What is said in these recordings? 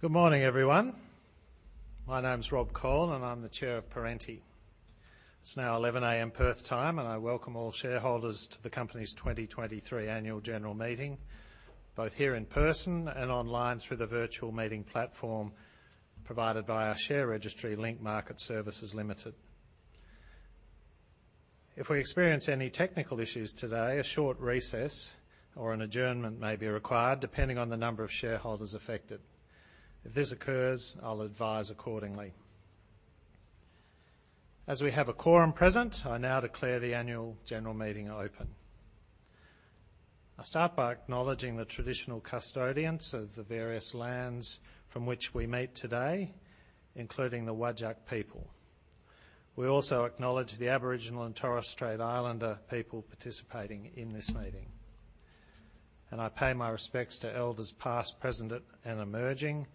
Good morning, everyone. My name's Rob Cole, and I'm the Chair of Perenti. It's now 11:00 A.M., Perth time, and I welcome all shareholders to the company's 2023 annual general meeting, both here in person and online through the virtual meeting platform provided by our share registry, Link Market Services Limited. If we experience any technical issues today, a short recess or an adjournment may be required, depending on the number of shareholders affected. If this occurs, I'll advise accordingly. As we have a quorum present, I now declare the annual general meeting open. I start by acknowledging the traditional custodians of the various lands from which we meet today, including the Whadjuk people. We also acknowledge the Aboriginal and Torres Strait Islander people participating in this meeting, and I pay my respects to elders past, present, and emerging,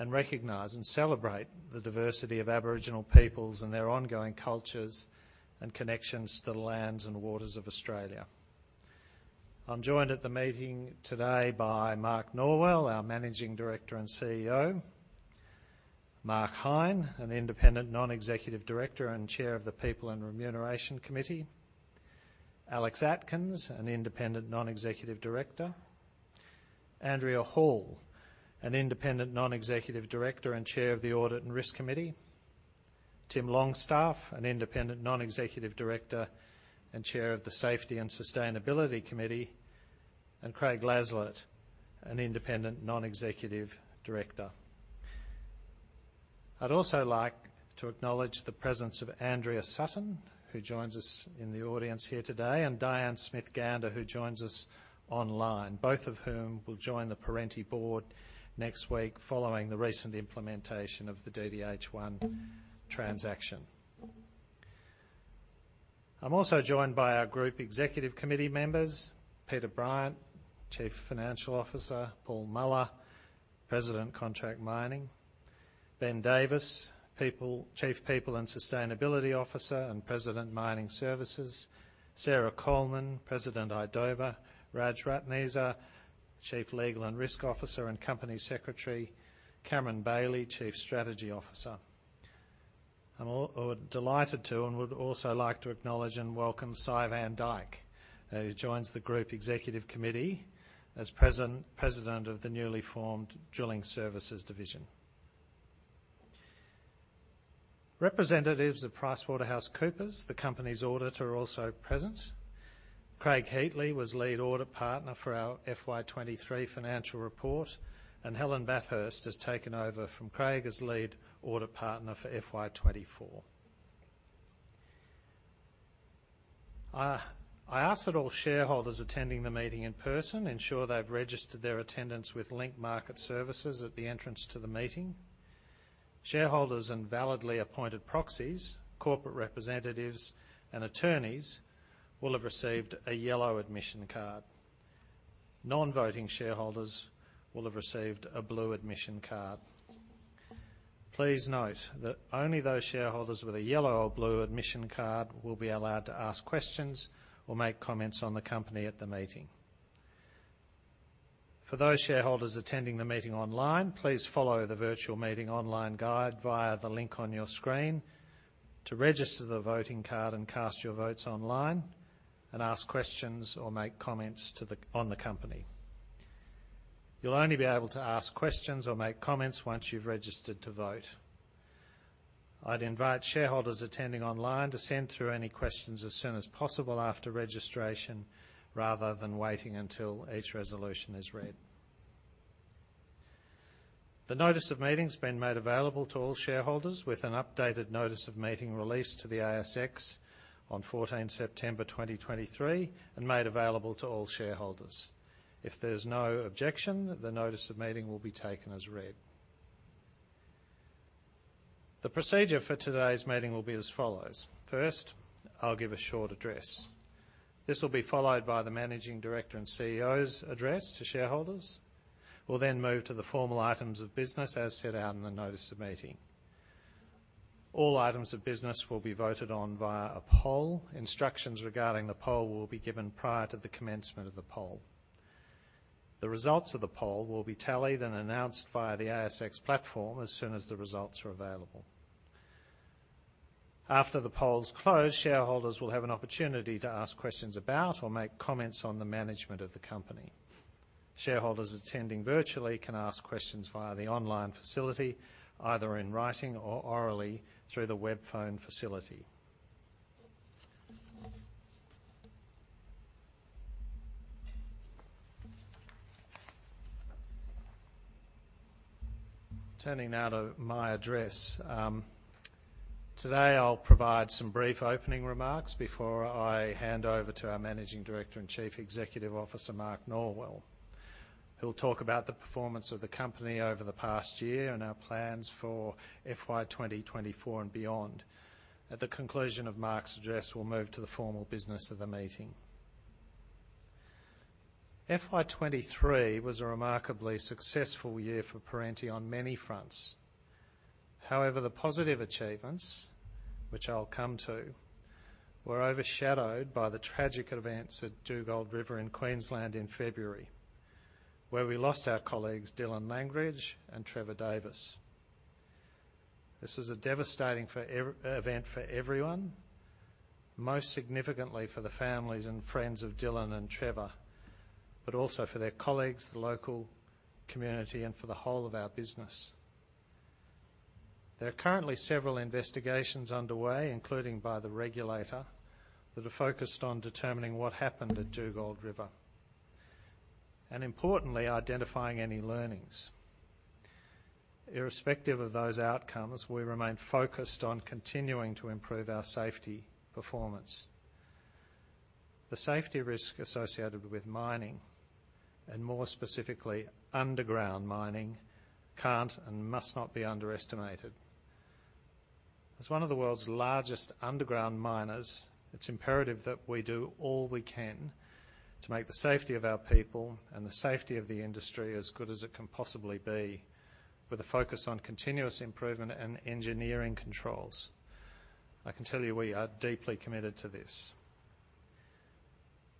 and recognize and celebrate the diversity of Aboriginal peoples and their ongoing cultures and connections to the lands and waters of Australia. I'm joined at the meeting today by Mark Norwell, our Managing Director and CEO, Mark Hine, an independent non-executive director and Chair of the People and Remuneration Committee, Alex Atkins, an independent non-executive director, Andrea Hall, an independent non-executive director and Chair of the Audit and Risk Committee, Tim Longstaff, an independent non-executive director and Chair of the Safety and Sustainability Committee, and Craig Laslett, an independent non-executive director. I'd also like to acknowledge the presence of Andrea Sutton, who joins us in the audience here today, and Diane Smith-Gander, who joins us online, both of whom will join the Perenti board next week following the recent implementation of the DDH1 transaction. I'm also joined by our group executive committee members, Peter Bryant, Chief Financial Officer, Paul Muller, President, Contract Mining, Ben Davis, Chief People and Sustainability Officer and President, Mining Services, Sarah Coleman, President, idoba, Raj Ratneser, Chief Legal and Risk Officer and Company Secretary, Cameron Baly, Chief Strategy Officer. And we're delighted to, and would also like to acknowledge and welcome Sy Van Dyk, who joins the group executive committee as President of the newly formed Drilling Services Division. Representatives of PricewaterhouseCoopers, the company's auditor, are also present. Craig Heatley was lead audit partner for our FY 2023 financial report, and Helen Bathurst has taken over from Craig as lead audit partner for FY 2024. I ask that all shareholders attending the meeting in person ensure they've registered their attendance with Link Market Services at the entrance to the meeting. Shareholders and validly appointed proxies, corporate representatives, and attorneys will have received a yellow admission card. Non-voting shareholders will have received a blue admission card. Please note that only those shareholders with a yellow or blue admission card will be allowed to ask questions or make comments on the company at the meeting. For those shareholders attending the meeting online, please follow the virtual meeting online guide via the link on your screen to register the voting card and cast your votes online and ask questions or make comments on the company. You'll only be able to ask questions or make comments once you've registered to vote. I'd invite shareholders attending online to send through any questions as soon as possible after registration, rather than waiting until each resolution is read. The notice of meeting's been made available to all shareholders, with an updated notice of meeting released to the ASX on 14th September 2023 and made available to all shareholders. If there's no objection, the notice of meeting will be taken as read. The procedure for today's meeting will be as follows: First, I'll give a short address. This will be followed by the Managing Director and CEO's address to shareholders. We'll then move to the formal items of business, as set out in the notice of meeting. All items of business will be voted on via a poll. Instructions regarding the poll will be given prior to the commencement of the poll. The results of the poll will be tallied and announced via the ASX platform as soon as the results are available. After the poll's closed, shareholders will have an opportunity to ask questions about or make comments on the management of the company. Shareholders attending virtually can ask questions via the online facility, either in writing or orally through the web phone facility. Turning now to my address. Today, I'll provide some brief opening remarks before I hand over to our Managing Director and Chief Executive Officer, Mark Norwell. He'll talk about the performance of the company over the past year and our plans for FY 2024 and beyond. At the conclusion of Mark's address, we'll move to the formal business of the meeting. FY 2023 was a remarkably successful year for Perenti on many fronts. However, the positive achievements, which I'll come to, were overshadowed by the tragic events at Dugald River in Queensland in February, where we lost our colleagues, Dylan Langridge and Trevor Davis. This was a devastating event for everyone, most significantly for the families and friends of Dylan and Trevor, but also for their colleagues, the local community, and for the whole of our business. There are currently several investigations underway, including by the regulator, that are focused on determining what happened at Dugald River and importantly, identifying any learnings. Irrespective of those outcomes, we remain focused on continuing to improve our safety performance. The safety risk associated with mining, and more specifically, underground mining, can't and must not be underestimated. As one of the world's largest underground miners, it's imperative that we do all we can to make the safety of our people and the safety of the industry as good as it can possibly be, with a focus on continuous improvement and engineering controls. I can tell you, we are deeply committed to this.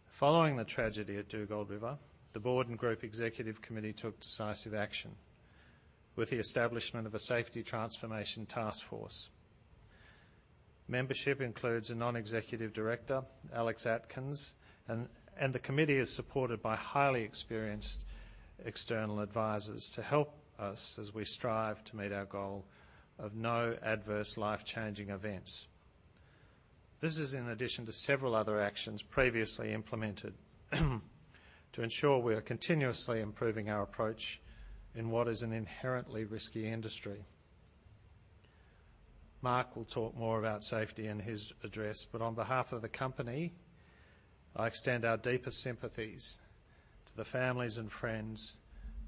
Following the tragedy at Dugald River, the board and Group Executive Committee took decisive action with the establishment of a Safety Transformation Task Force. Membership includes a non-executive director, Alex Atkins, and the committee is supported by highly experienced external advisors to help us as we strive to meet our goal of no adverse life-changing events. This is in addition to several other actions previously implemented, to ensure we are continuously improving our approach in what is an inherently risky industry. Mark will talk more about safety in his address, but on behalf of the company, I extend our deepest sympathies to the families and friends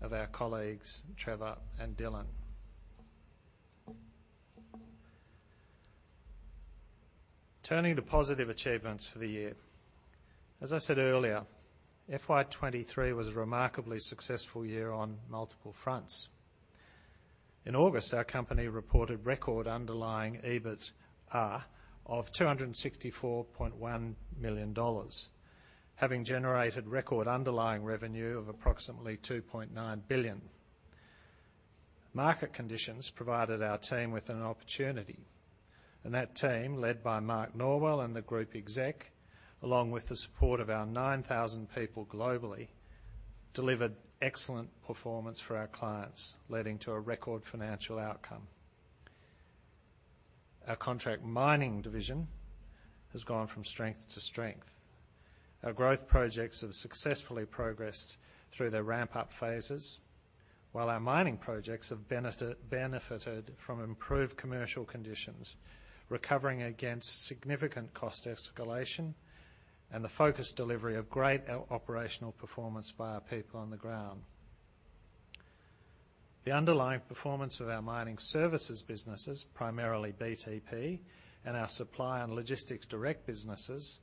of our colleagues, Trevor and Dylan. Turning to positive achievements for the year. As I said earlier, FY 2023 was a remarkably successful year on multiple fronts. In August, our company reported record underlying EBITDA of 264.1 million dollars, having generated record underlying revenue of approximately 2.9 billion. Market conditions provided our team with an opportunity, and that team, led by Mark Norwell and the Group Exec, along with the support of our 9,000 people globally, delivered excellent performance for our clients, leading to a record financial outcome. Our Contract Mining division has gone from strength to strength. Our growth projects have successfully progressed through their ramp-up phases, while our mining projects have benefited from improved commercial conditions, recovering against significant cost escalation and the focused delivery of great operational performance by our people on the ground. The underlying performance of our mining services businesses, primarily BTP and our Supply and Logistics Direct businesses,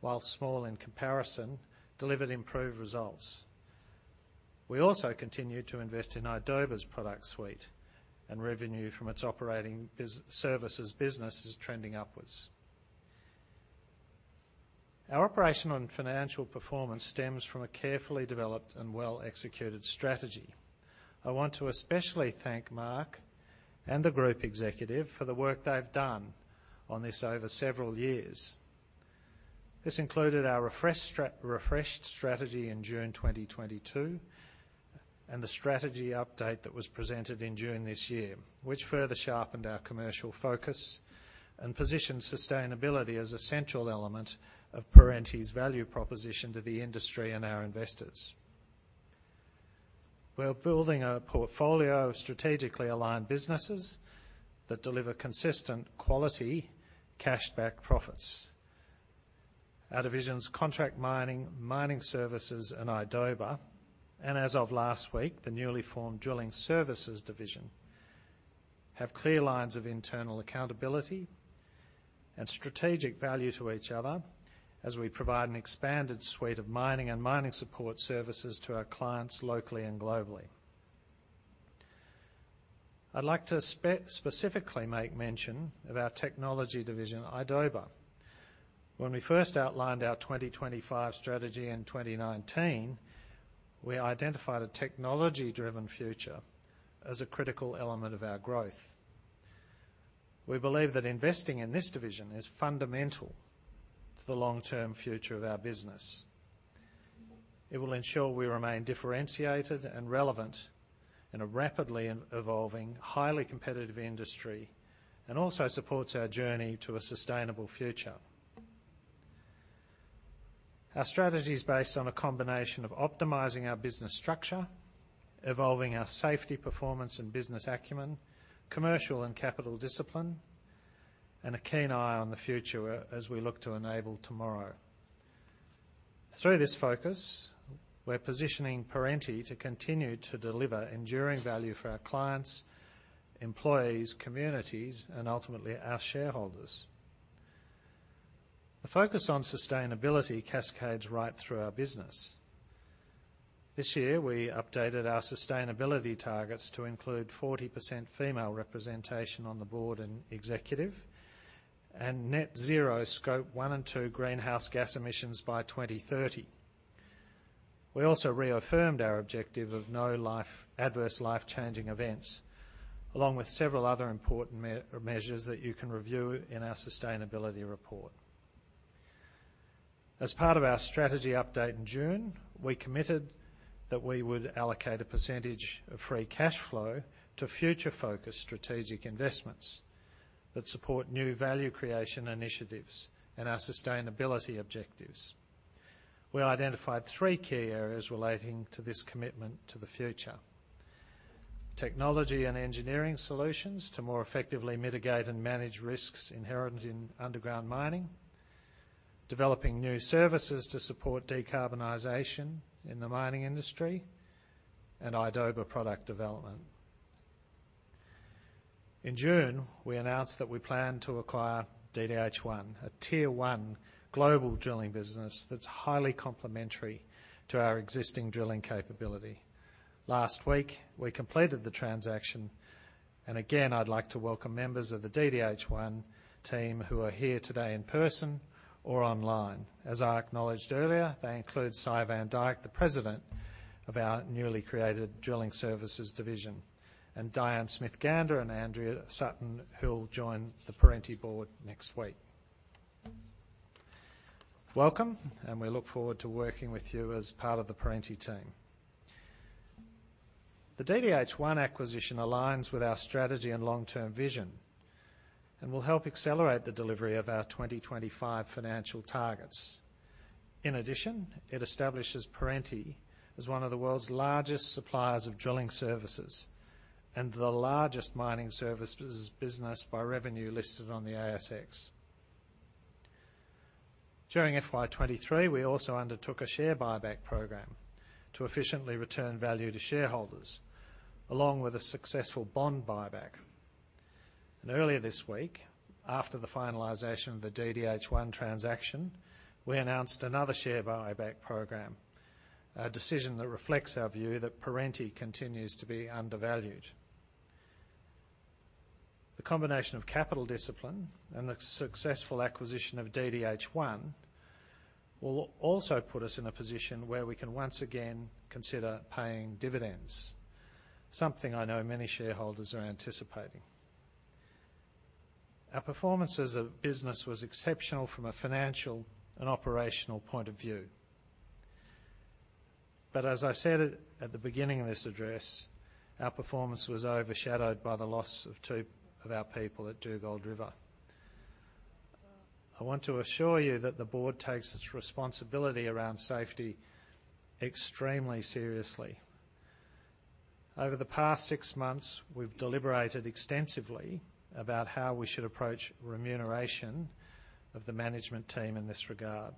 while small in comparison, delivered improved results. We also continued to invest in idoba's product suite, and revenue from its operating services business is trending upwards. Our operational and financial performance stems from a carefully developed and well-executed strategy. I want to especially thank Mark and the group executive for the work they've done on this over several years. This included our refreshed strategy in June 2022, and the strategy update that was presented in June this year, which further sharpened our commercial focus and positioned sustainability as a central element of Perenti's value proposition to the industry and our investors. We're building a portfolio of strategically aligned businesses that deliver consistent quality, cash-back profits. Our divisions, Contract Mining, Mining Services, and idoba, and as of last week, the newly formed Drilling Services division, have clear lines of internal accountability and strategic value to each other as we provide an expanded suite of mining and mining support services to our clients locally and globally. I'd like to specifically make mention of our technology division, idoba. When we first outlined our 2025 strategy in 2019, we identified a technology-driven future as a critical element of our growth. We believe that investing in this division is fundamental to the long-term future of our business. It will ensure we remain differentiated and relevant in a rapidly and evolving, highly competitive industry, and also supports our journey to a sustainable future. Our strategy is based on a combination of optimizing our business structure, evolving our safety, performance, and business acumen, commercial and capital discipline, and a keen eye on the future as we look to enable tomorrow. Through this focus, we're positioning Perenti to continue to deliver enduring value for our clients, employees, communities, and ultimately, our shareholders. The focus on sustainability cascades right through our business. This year, we updated our sustainability targets to include 40% female representation on the board and executive, and net zero Scope 1 and 2 greenhouse gas emissions by 2030. We also reaffirmed our objective of no life-adverse life-changing events, along with several other important measures that you can review in our sustainability report. As part of our strategy update in June, we committed that we would allocate a percentage of free cash flow to future-focused strategic investments that support new value creation initiatives and our sustainability objectives. We identified three key areas relating to this commitment to the future: technology and engineering solutions to more effectively mitigate and manage risks inherent in underground mining, developing new services to support decarbonization in the mining industry, and idoba product development. In June, we announced that we planned to acquire DDH1, a Tier 1 global drilling business that's highly complementary to our existing drilling capability. Last week, we completed the transaction, and again, I'd like to welcome members of the DDH1 team who are here today in person or online. As I acknowledged earlier, they include Sy Van Dyk, the President of our newly created Drilling Services Division, and Diane Smith-Gander and Andrea Sutton, who'll join the Perenti board next week. Welcome, and we look forward to working with you as part of the Perenti team. The DDH1 acquisition aligns with our strategy and long-term vision and will help accelerate the delivery of our 2025 financial targets. In addition, it establishes Perenti as one of the world's largest suppliers of drilling services and the largest mining services business by revenue listed on the ASX. During FY 2023, we also undertook a share buyback program to efficiently return value to shareholders, along with a successful bond buyback. And earlier this week, after the finalization of the DDH1 transaction, we announced another share buyback program, a decision that reflects our view that Perenti continues to be undervalued. The combination of capital discipline and the successful acquisition of DDH1 will also put us in a position where we can once again consider paying dividends, something I know many shareholders are anticipating. Our performance as a business was exceptional from a financial and operational point of view. But as I said at the beginning of this address, our performance was overshadowed by the loss of two of our people at Dugald River. I want to assure you that the board takes its responsibility around safety extremely seriously. Over the past six months, we've deliberated extensively about how we should approach remuneration of the management team in this regard.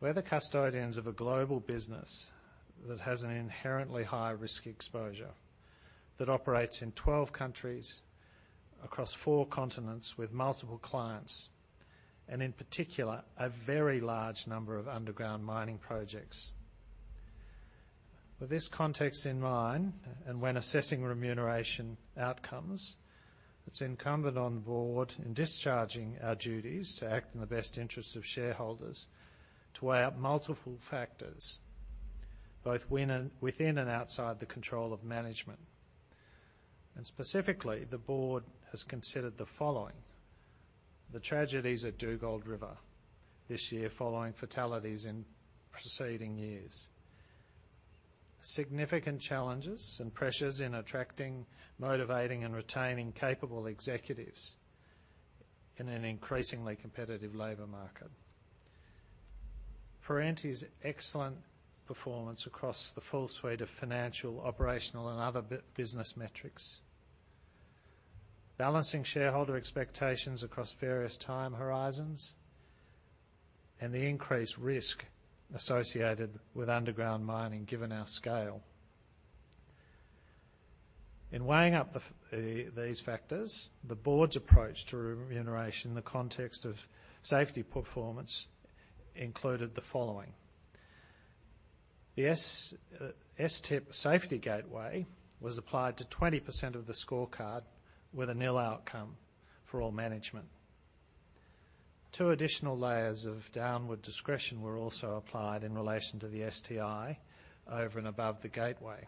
We're the custodians of a global business that has an inherently high risk exposure, that operates in 12 countries across four continents with multiple clients, and in particular, a very large number of underground mining projects. With this context in mind, and when assessing remuneration outcomes, it's incumbent on the board in discharging our duties to act in the best interests of shareholders, to weigh up multiple factors, both within and outside the control of management. Specifically, the board has considered the following: the tragedies at Dugald River this year, following fatalities in preceding years. Significant challenges and pressures in attracting, motivating, and retaining capable executives in an increasingly competitive labor market. Perenti's excellent performance across the full suite of financial, operational, and other business metrics. Balancing shareholder expectations across various time horizons, and the increased risk associated with underground mining, given our scale. In weighing up these factors, the board's approach to remuneration in the context of safety performance included the following: the STIP safety gateway was applied to 20% of the scorecard with a nil outcome for all management. Two additional layers of downward discretion were also applied in relation to the STI over and above the gateway.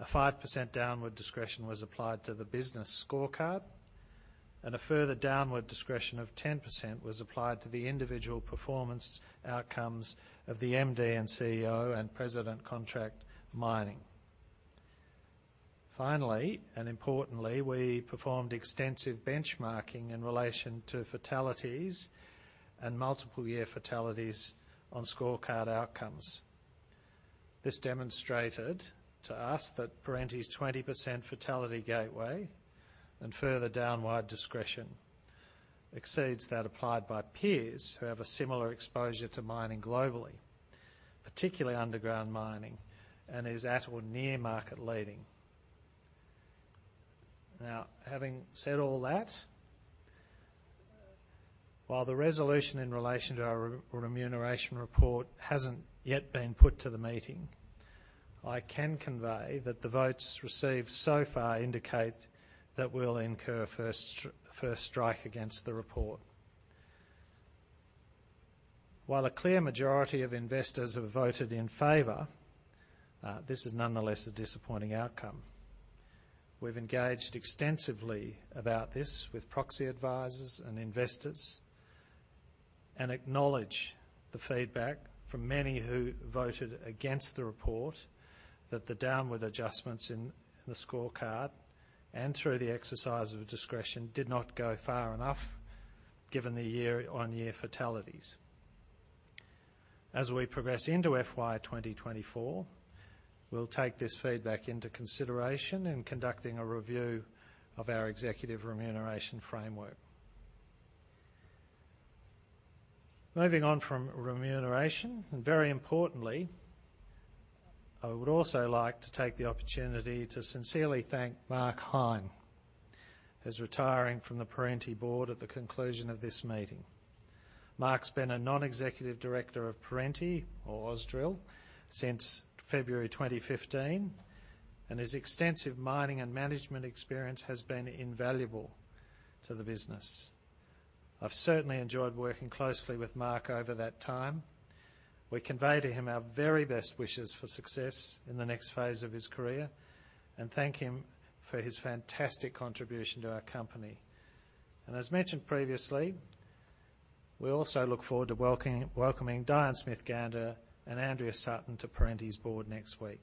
A 5% downward discretion was applied to the business scorecard, and a further downward discretion of 10% was applied to the individual performance outcomes of the MD and CEO and President, Contract Mining. Finally, and importantly, we performed extensive benchmarking in relation to fatalities and multiple-year fatalities on scorecard outcomes. This demonstrated to us that Perenti's 20% fatality gateway and further downward discretion exceeds that applied by peers who have a similar exposure to mining globally, particularly underground mining, and is at or near market leading. Now, having said all that, while the resolution in relation to our remuneration report hasn't yet been put to the meeting, I can convey that the votes received so far indicate that we'll incur first strike against the report. While a clear majority of investors have voted in favor, this is nonetheless a disappointing outcome. We've engaged extensively about this with proxy advisors and investors and acknowledge the feedback from many who voted against the report, that the downward adjustments in the scorecard and through the exercise of discretion did not go far enough, given the year-on-year fatalities. As we progress into FY 2024, we'll take this feedback into consideration in conducting a review of our executive remuneration framework. Moving on from remuneration, and very importantly, I would also like to take the opportunity to sincerely thank Mark Hine, who's retiring from the Perenti board at the conclusion of this meeting. Mark's been a non-executive director of Perenti or Ausdrill since February 2015, and his extensive mining and management experience has been invaluable to the business. I've certainly enjoyed working closely with Mark over that time. We convey to him our very best wishes for success in the next phase of his career and thank him for his fantastic contribution to our company. And as mentioned previously, we also look forward to welcoming Diane Smith-Gander and Andrea Sutton to Perenti's board next week.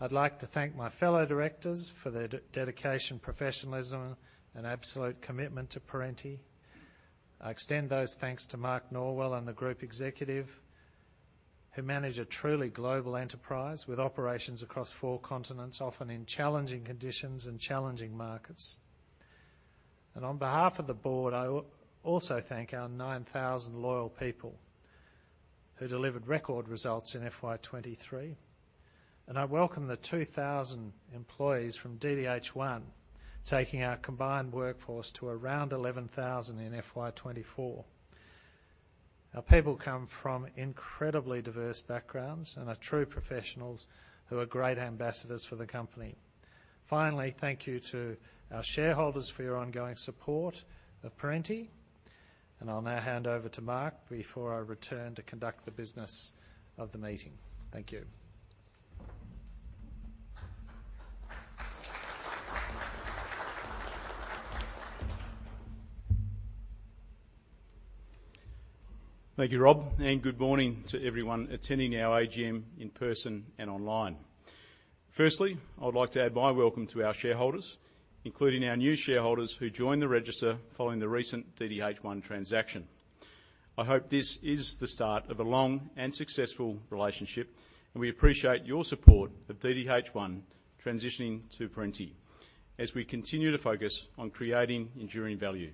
I'd like to thank my fellow directors for their dedication, professionalism, and absolute commitment to Perenti. I extend those thanks to Mark Norwell and the group executive, who manage a truly global enterprise with operations across four continents, often in challenging conditions and challenging markets. On behalf of the board, I also thank our 9,000 loyal people who delivered record results in FY 2023. I welcome the 2,000 employees from DDH1, taking our combined workforce to around 11,000 in FY 2024. Our people come from incredibly diverse backgrounds and are true professionals who are great ambassadors for the company. Finally, thank you to our shareholders for your ongoing support of Perenti, and I'll now hand over to Mark before I return to conduct the business of the meeting. Thank you. Thank you, Rob, and good morning to everyone attending our AGM in person and online. Firstly, I would like to add my welcome to our shareholders, including our new shareholders who joined the register following the recent DDH1 transaction. I hope this is the start of a long and successful relationship, and we appreciate your support of DDH1 transitioning to Perenti as we continue to focus on creating enduring value.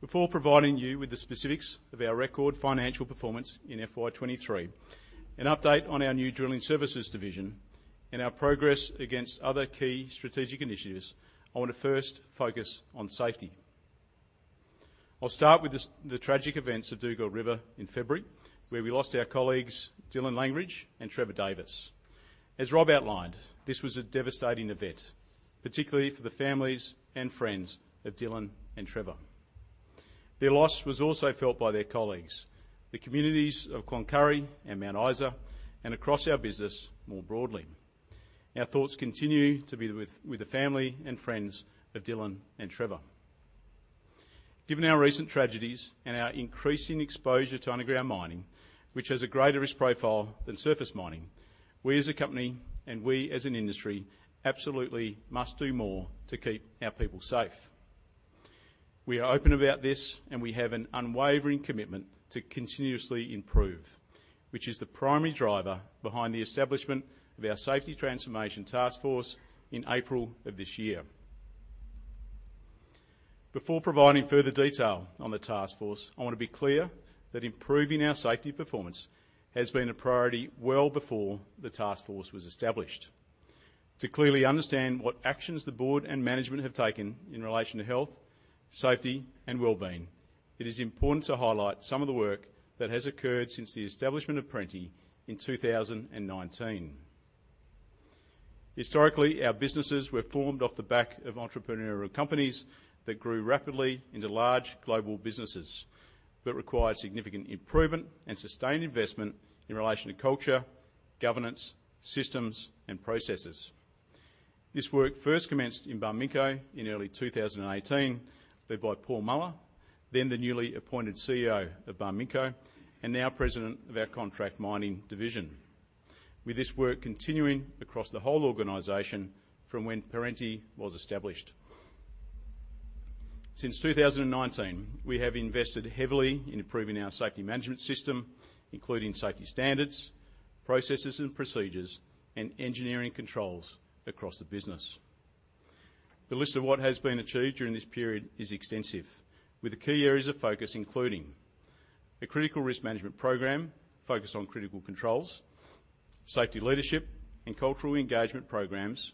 Before providing you with the specifics of our record financial performance in FY 2023, an update on our new drilling services division, and our progress against other key strategic initiatives, I want to first focus on safety. I'll start with the tragic events at Dugald River in February, where we lost our colleagues, Dylan Langridge and Trevor Davis. As Rob outlined, this was a devastating event, particularly for the families and friends of Dylan and Trevor. Their loss was also felt by their colleagues, the communities of Cloncurry and Mount Isa, and across our business more broadly. Our thoughts continue to be with the family and friends of Dylan and Trevor. Given our recent tragedies and our increasing exposure to underground mining, which has a greater risk profile than surface mining, we as a company and we as an industry, absolutely must do more to keep our people safe. We are open about this, and we have an unwavering commitment to continuously improve, which is the primary driver behind the establishment of our Safety Transformation Taskforce in April of this year. Before providing further detail on the taskforce, I want to be clear that improving our safety performance has been a priority well before the taskforce was established. To clearly understand what actions the board and management have taken in relation to health, safety, and wellbeing, it is important to highlight some of the work that has occurred since the establishment of Perenti in 2019. Historically, our businesses were formed off the back of entrepreneurial companies that grew rapidly into large global businesses, but required significant improvement and sustained investment in relation to culture, governance, systems, and processes. This work first commenced in Barminco in early 2018, led by Paul Muller, then the newly appointed CEO of Barminco and now President of our Contract Mining division. With this work continuing across the whole organization from when Perenti was established. Since 2019, we have invested heavily in improving our safety management system, including safety standards, processes and procedures, and engineering controls across the business. The list of what has been achieved during this period is extensive, with the key areas of focus including: a critical risk management program focused on critical controls, safety leadership and cultural engagement programs,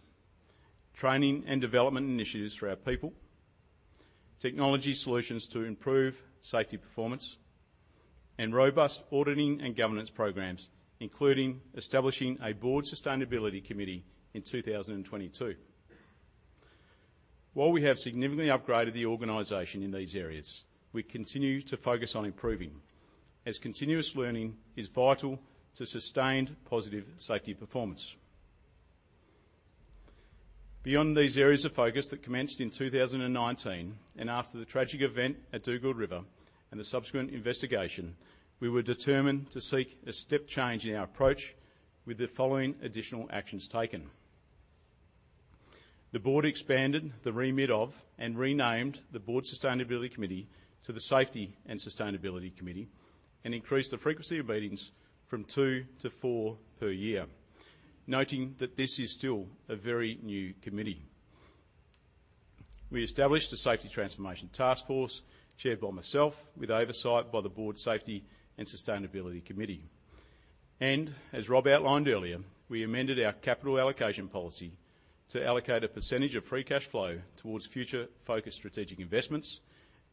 training and development initiatives for our people, technology solutions to improve safety performance, and robust auditing and governance programs, including establishing a board sustainability committee in 2022. While we have significantly upgraded the organization in these areas, we continue to focus on improving, as continuous learning is vital to sustained positive safety performance. Beyond these areas of focus that commenced in 2019, and after the tragic event at Dugald River and the subsequent investigation, we were determined to seek a step change in our approach with the following additional actions taken. The board expanded the remit of and renamed the Board Sustainability Committee to the Safety and Sustainability Committee and increased the frequency of meetings from two to four per year, noting that this is still a very new committee. We established a Safety Transformation Task Force, chaired by myself, with oversight by the Board Safety and Sustainability Committee. As Rob outlined earlier, we amended our capital allocation policy to allocate a percentage of free cash flow towards future-focused strategic investments,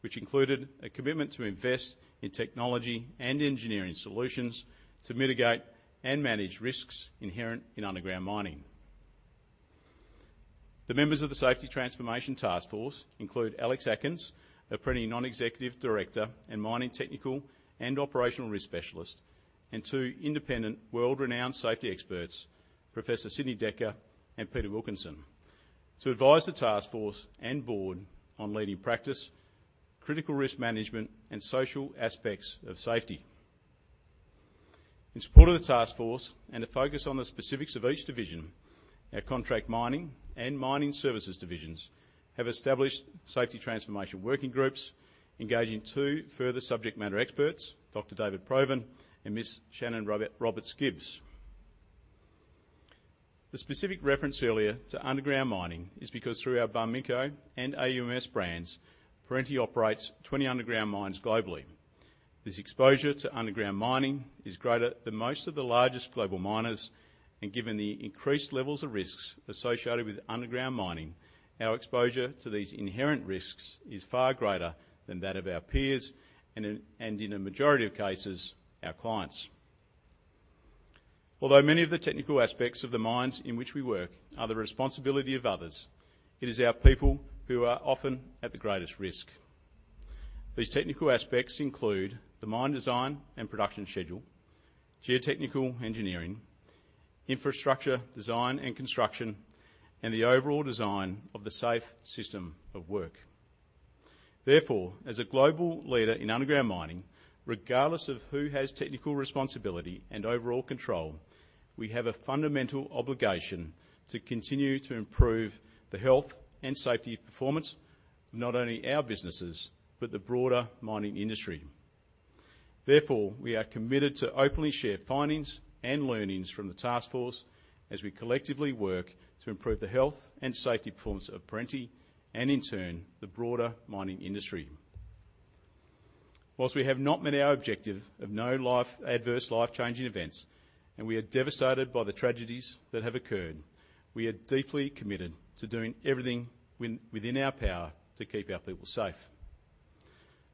which included a commitment to invest in technology and engineering solutions to mitigate and manage risks inherent in underground mining. The members of the Safety Transformation Task Force include Alex Atkins, a Perenti non-executive director and mining technical and operational risk specialist, and two independent world-renowned safety experts, Professor Sidney Dekker and Peter Wilkinson, to advise the task force and board on leading practice, critical risk management, and social aspects of safety. In support of the task force and a focus on the specifics of each division, our contract mining and mining services divisions have established safety transformation working groups, engaging two further subject matter experts, Dr. David Provan and Ms. Shannon Roberts-Gibbs. The specific reference earlier to underground mining is because through our Barminco and AUMS brands, Perenti operates 20 underground mines globally. This exposure to underground mining is greater than most of the largest global miners, and given the increased levels of risks associated with underground mining, our exposure to these inherent risks is far greater than that of our peers and, in a majority of cases, our clients. Although many of the technical aspects of the mines in which we work are the responsibility of others, it is our people who are often at the greatest risk. These technical aspects include the mine design and production schedule, geotechnical engineering, infrastructure design and construction, and the overall design of the safe system of work. Therefore, as a global leader in underground mining, regardless of who has technical responsibility and overall control, we have a fundamental obligation to continue to improve the health and safety performance of not only our businesses, but the broader mining industry. Therefore, we are committed to openly share findings and learnings from the task force as we collectively work to improve the health and safety performance of Perenti, and in turn, the broader mining industry. While we have not met our objective of no adverse life-changing events, and we are devastated by the tragedies that have occurred, we are deeply committed to doing everything within our power to keep our people safe.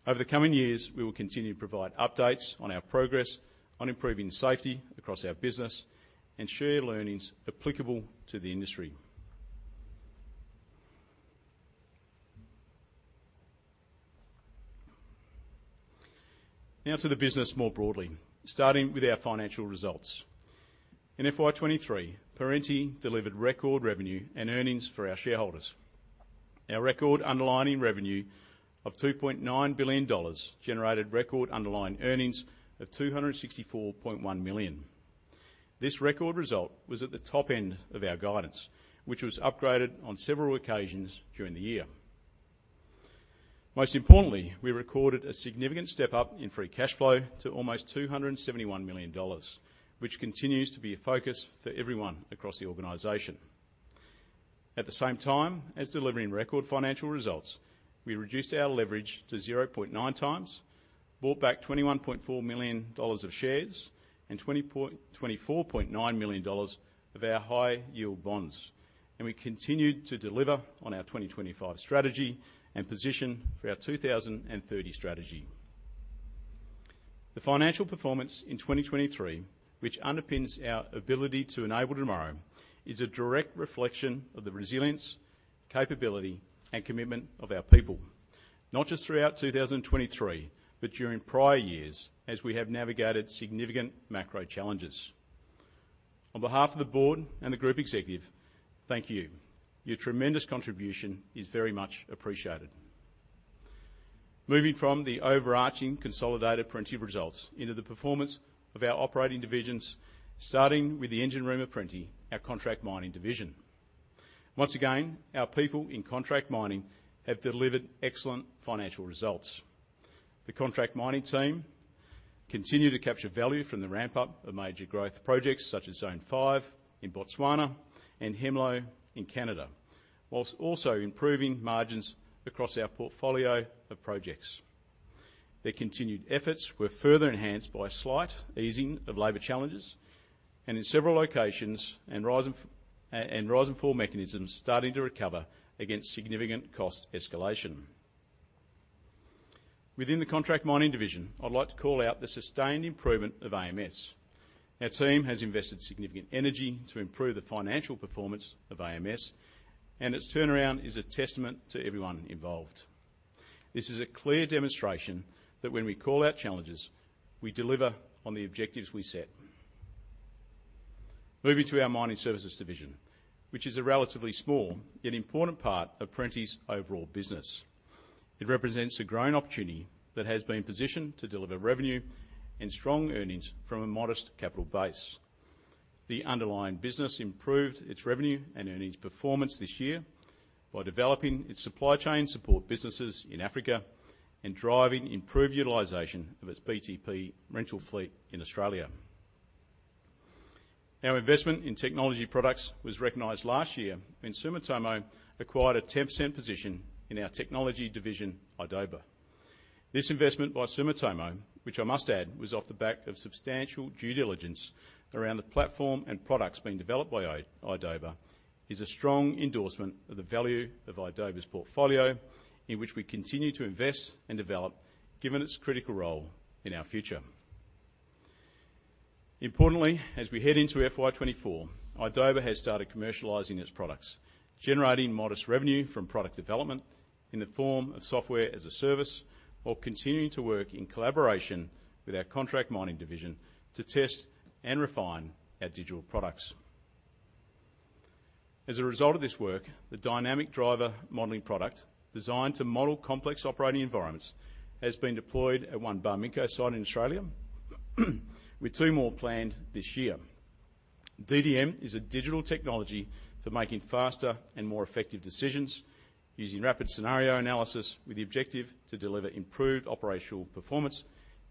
Over the coming years, we will continue to provide updates on our progress on improving safety across our business and share learnings applicable to the industry. Now to the business more broadly, starting with our financial results. In FY 2023, Perenti delivered record revenue and earnings for our shareholders. Our record underlying revenue of 2.9 billion dollars generated record underlying earnings of 264.1 million. This record result was at the top end of our guidance, which was upgraded on several occasions during the year. Most importantly, we recorded a significant step-up in free cash flow to almost 271 million dollars, which continues to be a focus for everyone across the organization. At the same time as delivering record financial results, we reduced our leverage to 0.9x, bought back 21.4 million dollars of shares and 24.9 million dollars of our high-yield bonds, and we continued to deliver on our 2025 strategy and position for our 2030 strategy. The financial performance in 2023, which underpins our ability to enable tomorrow, is a direct reflection of the resilience, capability, and commitment of our people, not just throughout 2023, but during prior years as we have navigated significant macro challenges. On behalf of the board and the group executive, thank you. Your tremendous contribution is very much appreciated. Moving from the overarching consolidated Perenti results into the performance of our operating divisions, starting with the engine room of Perenti, our contract mining division. Once again, our people in contract mining have delivered excellent financial results. The contract mining team continue to capture value from the ramp-up of major growth projects, such as Zone Five in Botswana and Hemlo in Canada, while also improving margins across our portfolio of projects. Their continued efforts were further enhanced by a slight easing of labor challenges, and in several locations, rise and fall mechanisms starting to recover against significant cost escalation. Within the Contract Mining division, I'd like to call out the sustained improvement of AMS. Our team has invested significant energy to improve the financial performance of AMS, and its turnaround is a testament to everyone involved. This is a clear demonstration that when we call out challenges, we deliver on the objectives we set. Moving to our Mining Services division, which is a relatively small yet important part of Perenti's overall business. It represents a growing opportunity that has been positioned to deliver revenue and strong earnings from a modest capital base. The underlying business improved its revenue and earnings performance this year by developing its supply chain support businesses in Africa and driving improved utilization of its BTP rental fleet in Australia. Our investment in technology products was recognized last year when Sumitomo acquired a 10% position in our technology division, idoba. This investment by Sumitomo, which I must add, was off the back of substantial due diligence around the platform and products being developed by idoba, is a strong endorsement of the value of idoba's portfolio, in which we continue to invest and develop, given its critical role in our future. Importantly, as we head into FY 2024, idoba has started commercializing its products, generating modest revenue from product development in the form of software as a service, while continuing to work in collaboration with our Contract Mining division to test and refine our digital products. As a result of this work, the Dynamic Driver Modeling product, designed to model complex operating environments, has been deployed at one Barminco site in Australia, with two more planned this year. DDM is a digital technology for making faster and more effective decisions using rapid scenario analysis, with the objective to deliver improved operational performance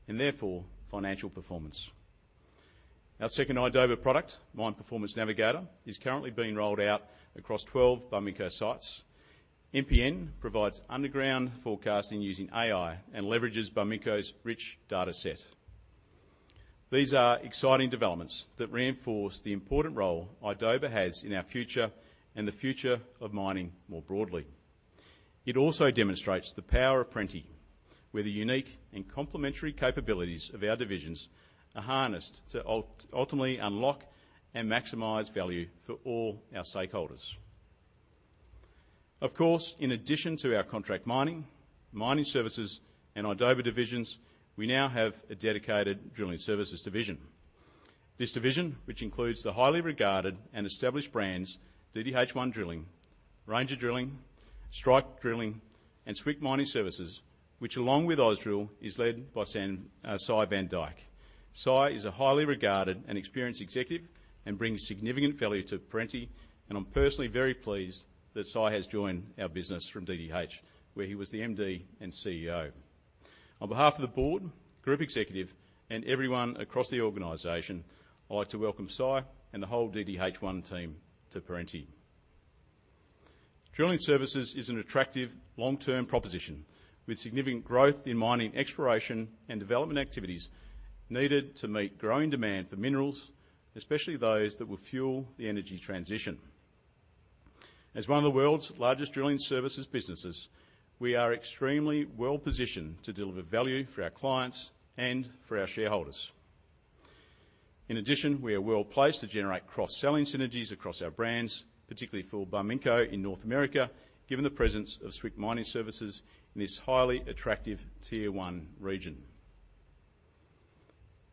and therefore financial performance. Our second idoba product, Mine Performance Navigator, is currently being rolled out across 12 Barminco sites. MPN provides underground forecasting using AI and leverages Barminco's rich data set. These are exciting developments that reinforce the important role idoba has in our future and the future of mining more broadly. It also demonstrates the power of Perenti, where the unique and complementary capabilities of our divisions are harnessed to ultimately unlock and maximize value for all our stakeholders. Of course, in addition to our Contract Mining, Mining Services, and idoba divisions, we now have a dedicated Drilling Services division. This division, which includes the highly regarded and established brands, DDH1 Drilling, Ranger Drilling, Strike Drilling, and Swick Mining Services, which along with Ausdrill, is led by Sy Van Dyk. Sy is a highly regarded and experienced executive and brings significant value to Perenti, and I'm personally very pleased that Sy has joined our business from DDH, where he was the MD and CEO. On behalf of the board, group executive, and everyone across the organization, I'd like to welcome Sy and the whole DDH1 team to Perenti. Drilling services is an attractive long-term proposition with significant growth in mining exploration and development activities needed to meet growing demand for minerals, especially those that will fuel the energy transition. As one of the world's largest drilling services businesses, we are extremely well-positioned to deliver value for our clients and for our shareholders. In addition, we are well-placed to generate cross-selling synergies across our brands, particularly for Barminco in North America, given the presence of Swick Mining Services in this highly attractive Tier 1 region.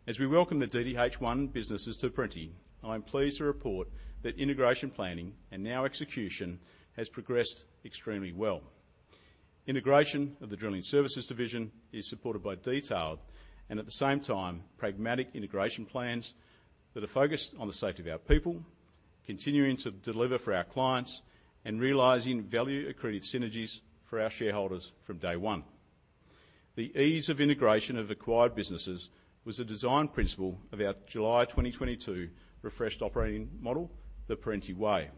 As we welcome the DDH1 businesses to Perenti, I'm pleased to report that integration planning and now execution has progressed extremely well. Integration of the Drilling Services division is supported by detailed and, at the same time, pragmatic integration plans that are focused on the safety of our people, continuing to deliver for our clients, and realizing value-accretive synergies for our shareholders from day one. The ease of integration of acquired businesses was a design principle of our July 2022 refreshed operating model, The Perenti Way,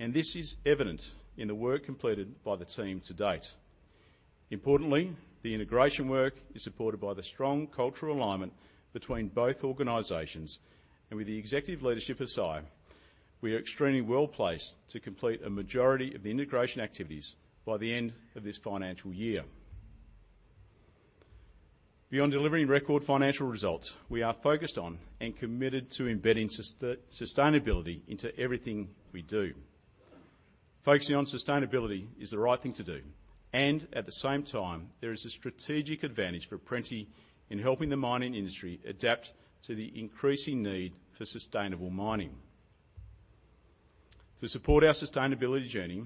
and this is evident in the work completed by the team to date. Importantly, the integration work is supported by the strong cultural alignment between both organizations, and with the executive leadership of Sy, we are extremely well-placed to complete a majority of the integration activities by the end of this financial year. Beyond delivering record financial results, we are focused on and committed to embedding sustainability into everything we do. Focusing on sustainability is the right thing to do, and at the same time, there is a strategic advantage for Perenti in helping the mining industry adapt to the increasing need for sustainable mining. To support our sustainability journey,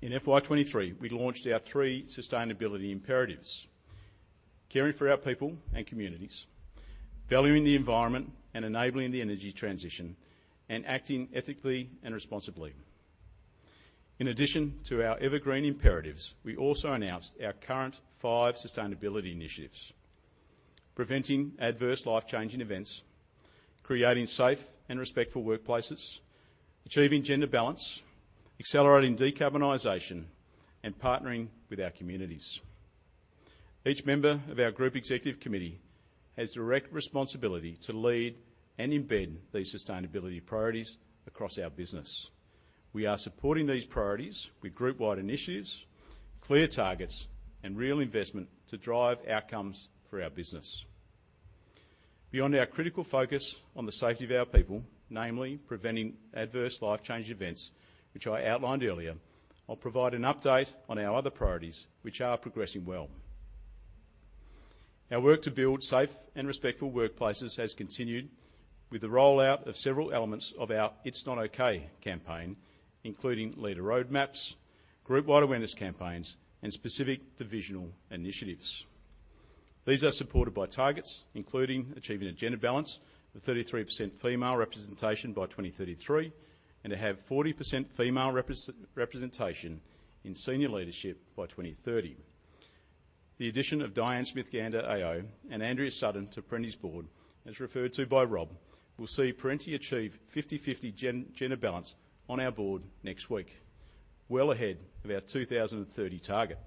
in FY 2023, we launched our three sustainability imperatives: caring for our people and communities, valuing the environment and enabling the energy transition, and acting ethically and responsibly. In addition to our evergreen imperatives, we also announced our current five sustainability initiatives: preventing adverse life-changing events, creating safe and respectful workplaces, achieving gender balance, accelerating decarbonization, and partnering with our communities. Each member of our group executive committee has direct responsibility to lead and embed these sustainability priorities across our business. We are supporting these priorities with group-wide initiatives, clear targets, and real investment to drive outcomes for our business. Beyond our critical focus on the safety of our people, namely preventing adverse life-changing events, which I outlined earlier, I'll provide an update on our other priorities, which are progressing well. Our work to build safe and respectful workplaces has continued with the rollout of several elements of our It's Not Okay campaign, including leader roadmaps, group-wide awareness campaigns, and specific divisional initiatives. These are supported by targets, including achieving a gender balance with 33% female representation by 2033, and to have 40% female representation in senior leadership by 2030. The addition of Diane Smith-Gander AO and Andrea Sutton to Perenti's board, as referred to by Rob, will see Perenti achieve 50/50 gender balance on our board next week, well ahead of our 2030 target.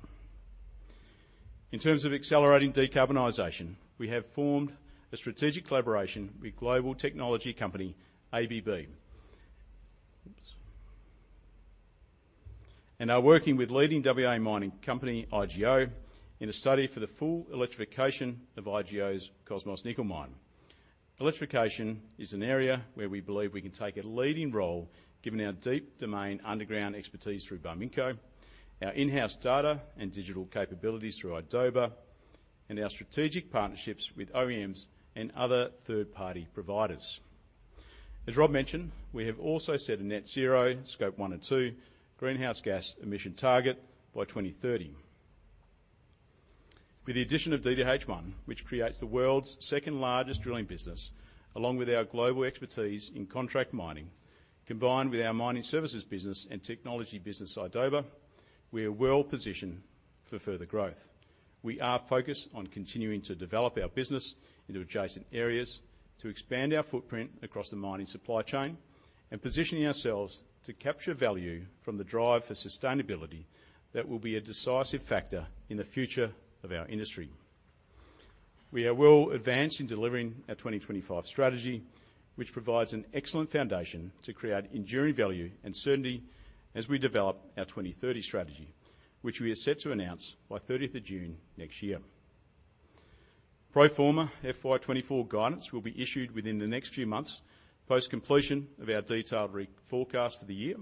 In terms of accelerating decarbonization, we have formed a strategic collaboration with global technology company ABB. And are working with leading WA mining company IGO, in a study for the full electrification of IGO's Cosmos nickel mine. Electrification is an area where we believe we can take a leading role, given our deep domain underground expertise through Barminco, our in-house data and digital capabilities through idoba, and our strategic partnerships with OEMs and other third-party providers. As Rob mentioned, we have also set a net zero Scope 1 and 2 greenhouse gas emission target by 2030. With the addition of DDH1, which creates the world's second-largest drilling business, along with our global expertise in contract mining, combined with our mining services business and technology business, idoba, we are well positioned for further growth. We are focused on continuing to develop our business into adjacent areas, to expand our footprint across the mining supply chain, and positioning ourselves to capture value from the drive for sustainability that will be a decisive factor in the future of our industry. We are well advanced in delivering our 2025 strategy, which provides an excellent foundation to create enduring value and certainty as we develop our 2030 strategy, which we are set to announce by 30th of June next year. Pro forma FY 2024 guidance will be issued within the next few months, post completion of our detailed re-forecast for the year.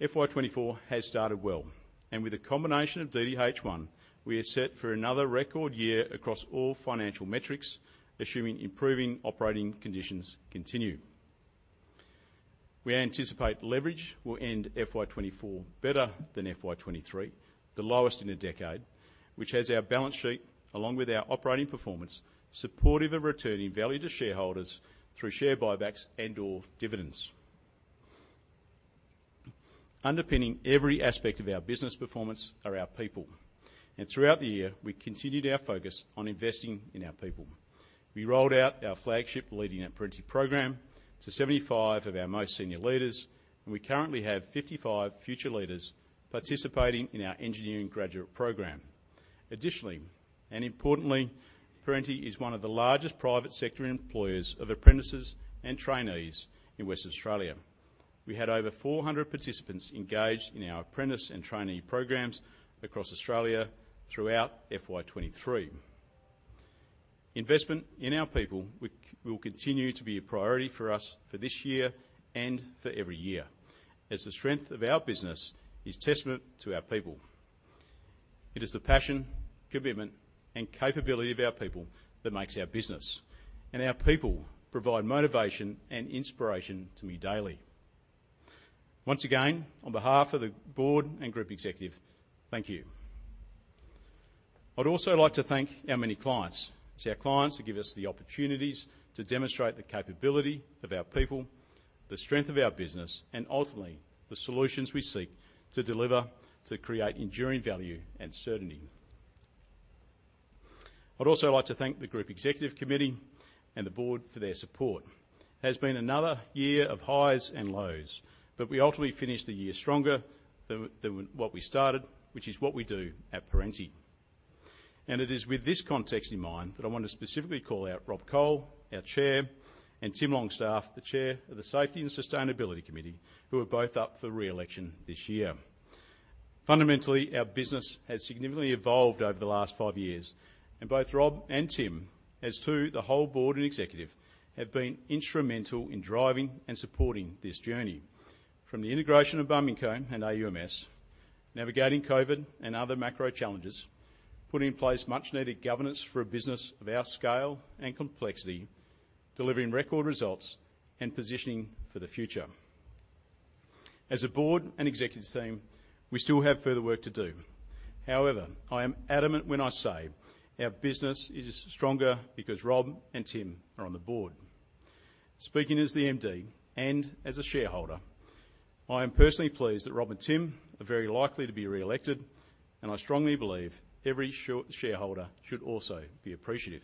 FY 2024 has started well, and with a combination of DDH1, we are set for another record year across all financial metrics, assuming improving operating conditions continue. We anticipate leverage will end FY 2024 better than FY 2023, the lowest in a decade, which has our balance sheet, along with our operating performance, supportive of returning value to shareholders through share buybacks and/or dividends. Underpinning every aspect of our business performance are our people, and throughout the year, we continued our focus on investing in our people. We rolled out our flagship Leading at Perenti program to 75 of our most senior leaders, and we currently have 55 future leaders participating in our engineering graduate program. Additionally, and importantly, Perenti is one of the largest private sector employers of apprentices and trainees in Western Australia. We had over 400 participants engaged in our apprentice and trainee programs across Australia throughout FY 2023. Investment in our people will continue to be a priority for us for this year and for every year, as the strength of our business is testament to our people. It is the passion, commitment, and capability of our people that makes our business, and our people provide motivation and inspiration to me daily. Once again, on behalf of the board and group executive, thank you. I'd also like to thank our many clients. It's our clients who give us the opportunities to demonstrate the capability of our people, the strength of our business, and ultimately, the solutions we seek to deliver to create enduring value and certainty. I'd also like to thank the Group Executive Committee and the Board for their support. It has been another year of highs and lows, but we ultimately finished the year stronger than what we started, which is what we do at Perenti. It is with this context in mind that I want to specifically call out Rob Cole, our chair, and Tim Longstaff, the chair of the Safety and Sustainability Committee, who are both up for re-election this year. Fundamentally, our business has significantly evolved over the last five years, and both Rob and Tim, as to the whole board and executive, have been instrumental in driving and supporting this journey. From the integration of Barminco and AUMS, navigating COVID and other macro challenges, putting in place much-needed governance for a business of our scale and complexity, delivering record results, and positioning for the future. As a board and executive team, we still have further work to do. However, I am adamant when I say our business is stronger because Rob and Tim are on the board. Speaking as the MD and as a shareholder, I am personally pleased that Rob and Tim are very likely to be re-elected, and I strongly believe every shareholder should also be appreciative.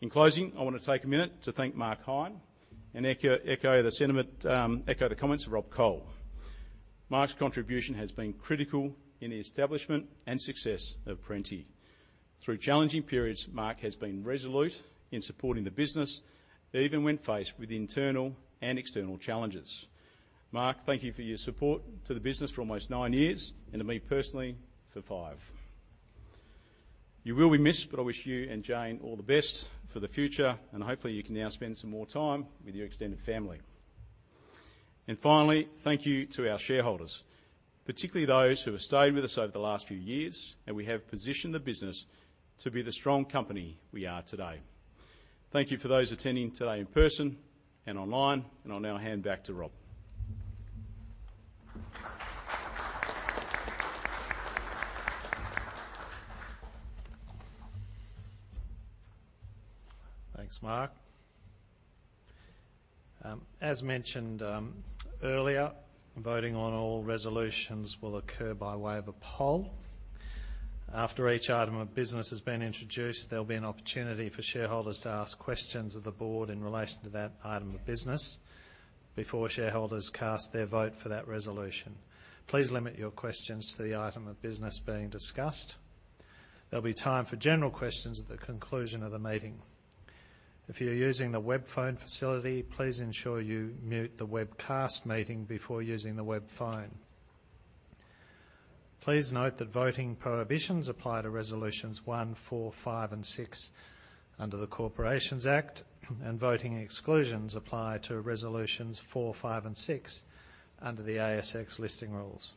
In closing, I want to take a minute to thank Mark Hine and echo the sentiment, echo the comments of Rob Cole. Mark's contribution has been critical in the establishment and success of Perenti. Through challenging periods, Mark has been resolute in supporting the business, even when faced with internal and external challenges. Mark, thank you for your support to the business for almost nine years, and to me personally, high five. You will be missed, but I wish you and Jane all the best for the future, and hopefully you can now spend some more time with your extended family. And finally, thank you to our shareholders, particularly those who have stayed with us over the last few years, and we have positioned the business to be the strong company we are today. Thank you for those attending today in person and online, and I'll now hand back to Rob. Thanks, Mark. As mentioned, earlier, voting on all resolutions will occur by way of a poll. After each item of business has been introduced, there'll be an opportunity for shareholders to ask questions of the board in relation to that item of business before shareholders cast their vote for that resolution. Please limit your questions to the item of business being discussed. There'll be time for general questions at the conclusion of the meeting. If you're using the web phone facility, please ensure you mute the webcast meeting before using the web phone. Please note that voting prohibitions apply to Resolutions 1, 4, 5 and 6 under the Corporations Act, and voting exclusions apply to Resolutions 4, 5 and 6 under the ASX listing rules.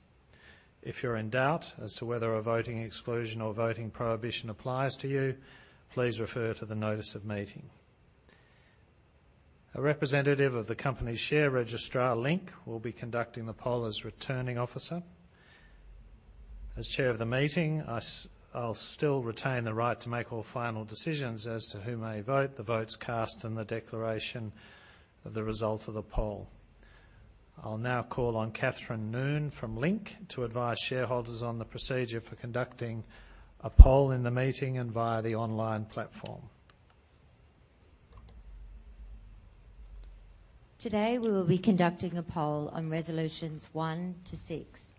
If you're in doubt as to whether a voting exclusion or voting prohibition applies to you, please refer to the notice of meeting. A representative of the company's share registrar, Link, will be conducting the poll as Returning Officer. As Chair of the meeting, I'll still retain the right to make all final decisions as to who may vote, the votes cast, and the declaration of the result of the poll. I'll now call on Katherine Noon from Link to advise shareholders on the procedure for conducting a poll in the meeting and via the online platform. Today, we will be conducting a poll on Resolutions 1-6.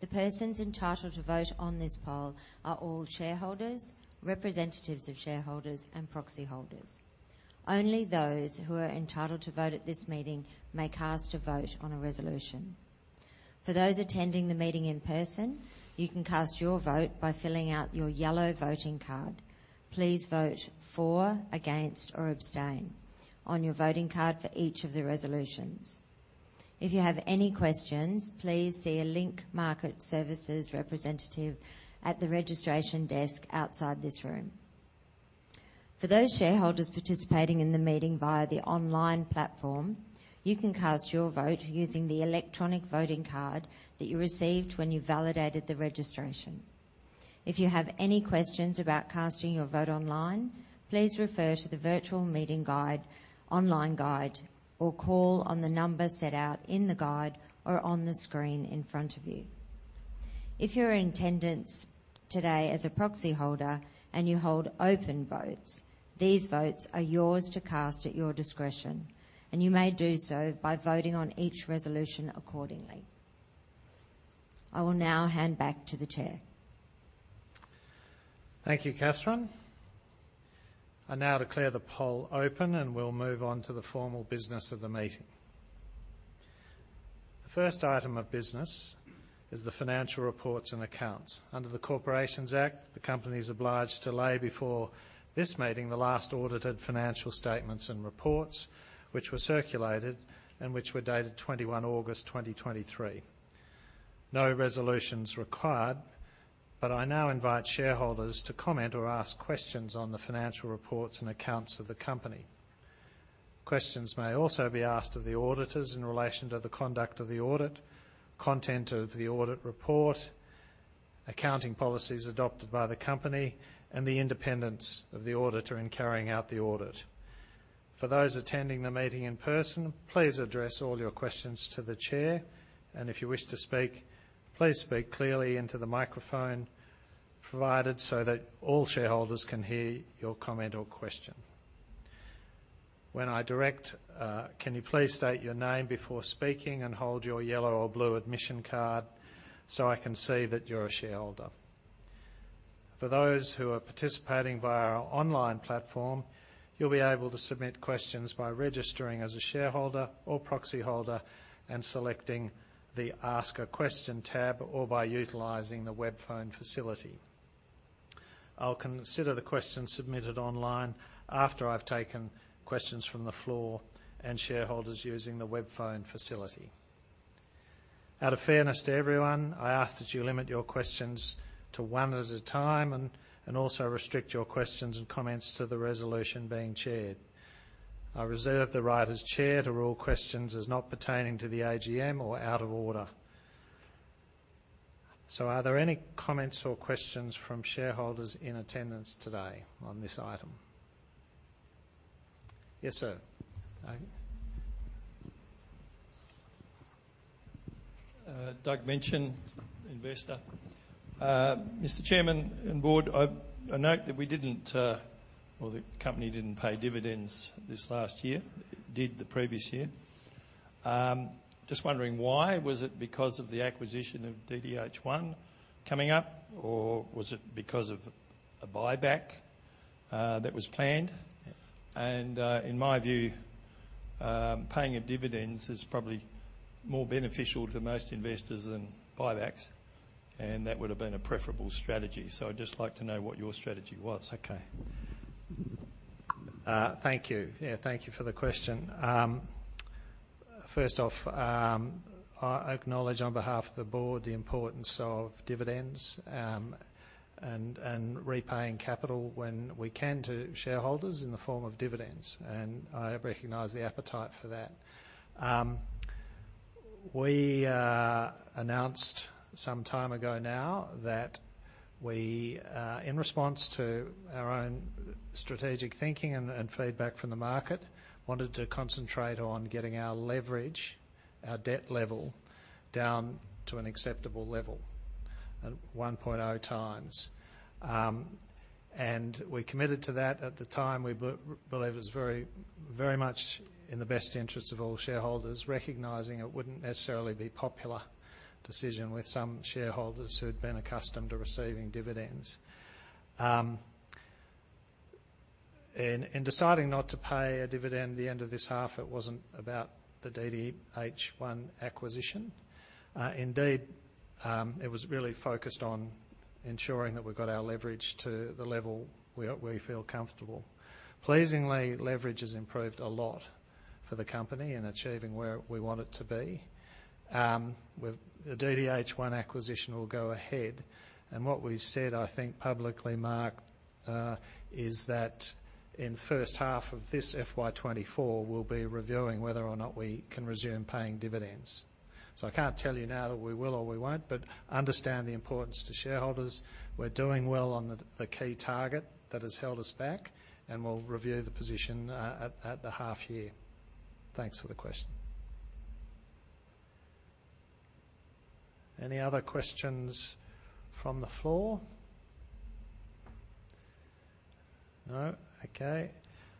The persons entitled to vote on this poll are all shareholders, representatives of shareholders, and proxy holders. Only those who are entitled to vote at this meeting may cast a vote on a resolution. For those attending the meeting in person, you can cast your vote by filling out your yellow voting card. Please vote for, against, or abstain on your voting card for each of the resolutions. If you have any questions, please see a Link Market Services representative at the registration desk outside this room. For those shareholders participating in the meeting via the online platform, you can cast your vote using the electronic voting card that you received when you validated the registration. If you have any questions about casting your vote online, please refer to the Virtual Meeting Guide online guide, or call on the number set out in the guide or on the screen in front of you. If you're in attendance today as a proxy holder and you hold open votes, these votes are yours to cast at your discretion, and you may do so by voting on each resolution accordingly. I will now hand back to the Chair. Thank you, Kathryn. I now declare the poll open, and we'll move on to the formal business of the meeting. The first item of business is the financial reports and accounts. Under the Corporations Act, the company is obliged to lay before this meeting the last audited financial statements and reports, which were circulated and which were dated 21 August 2023. No resolution's required, but I now invite shareholders to comment or ask questions on the financial reports and accounts of the company. Questions may also be asked of the auditors in relation to the conduct of the audit, content of the audit report, accounting policies adopted by the company, and the independence of the auditor in carrying out the audit. For those attending the meeting in person, please address all your questions to the Chair, and if you wish to speak, please speak clearly into the microphone provided so that all shareholders can hear your comment or question. When I direct, can you please state your name before speaking and hold your yellow or blue admission card, so I can see that you're a shareholder? For those who are participating via our online platform, you'll be able to submit questions by registering as a shareholder or proxy holder and selecting the Ask a Question tab or by utilizing the web phone facility. I'll consider the questions submitted online after I've taken questions from the floor and shareholders using the web phone facility. Out of fairness to everyone, I ask that you limit your questions to one at a time and also restrict your questions and comments to the resolution being chaired. I reserve the right as chair to rule questions as not pertaining to the AGM or out of order. So are there any comments or questions from shareholders in attendance today on this item? Yes, sir. Doug Minchin, investor. Mr. Chairman and board, I note that we didn't, or the company didn't pay dividends this last year. It did the previous year. Just wondering why? Was it because of the acquisition of DDH1 coming up, or was it because of a buyback, that was planned? And, in my view, paying a dividends is probably more beneficial to most investors than buybacks, and that would have been a preferable strategy. So I'd just like to know what your strategy was. Okay. Thank you. Yeah, thank you for the question. First off, I acknowledge on behalf of the board, the importance of dividends, and, and repaying capital when we can to shareholders in the form of dividends, and I recognize the appetite for that. We announced some time ago now that we, in response to our own strategic thinking and, and feedback from the market, wanted to concentrate on getting our leverage, our debt level, down to an acceptable level at 1.0x. And we committed to that. At the time, we believe it was very, very much in the best interest of all shareholders, recognizing it wouldn't necessarily be popular decision with some shareholders who'd been accustomed to receiving dividends. And, and deciding not to pay a dividend at the end of this half, it wasn't about the DDH1 acquisition. Indeed, it was really focused on ensuring that we've got our leverage to the level we, we feel comfortable. Pleasingly, leverage has improved a lot for the company in achieving where we want it to be. With the DDH1 acquisition will go ahead, and what we've said, I think, publicly, Mark, is that in first half of this FY 2024, we'll be reviewing whether or not we can resume paying dividends. So I can't tell you now that we will or we won't, but understand the importance to shareholders. We're doing well on the, the key target that has held us back, and we'll review the position, at, at the half year. Thanks for the question. Any other questions from the floor? No? Okay.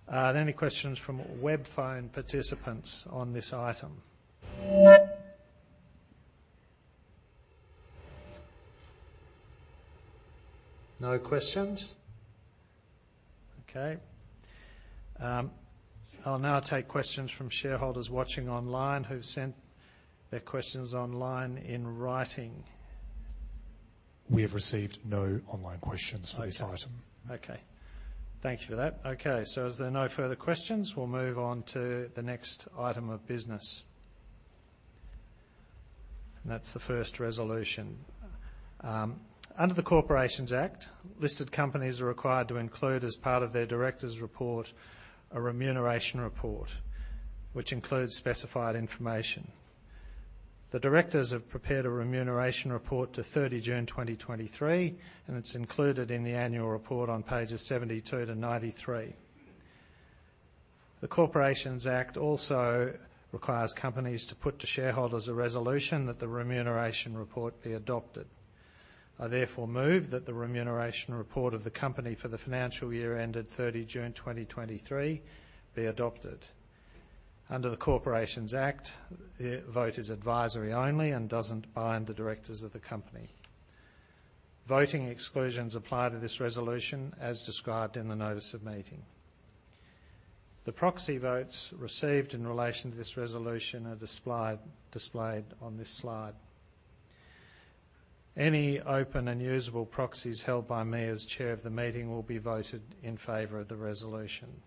Are there any questions from web phone participants on this item? No questions? Okay. I'll now take questions from shareholders watching online who've sent their questions online in writing. We have received no online questions for this item. Okay. Thank you for that. Okay, so as there are no further questions, we'll move on to the next item of business. That's the first resolution. Under the Corporations Act, listed companies are required to include, as part of their directors' report, a remuneration report, which includes specified information. The directors have prepared a remuneration report to 30 June 2023, and it's included in the annual report on Pages 72-93. The Corporations Act also requires companies to put to shareholders a resolution that the remuneration report be adopted. I therefore move that the remuneration report of the company for the financial year ended 30 June 2023 be adopted. Under the Corporations Act, the vote is advisory only and doesn't bind the directors of the company. Voting exclusions apply to this resolution, as described in the notice of meeting. The proxy votes received in relation to this resolution are displayed on this slide. Any open and usable proxies held by me as Chair of the meeting will be voted in favor of the resolution.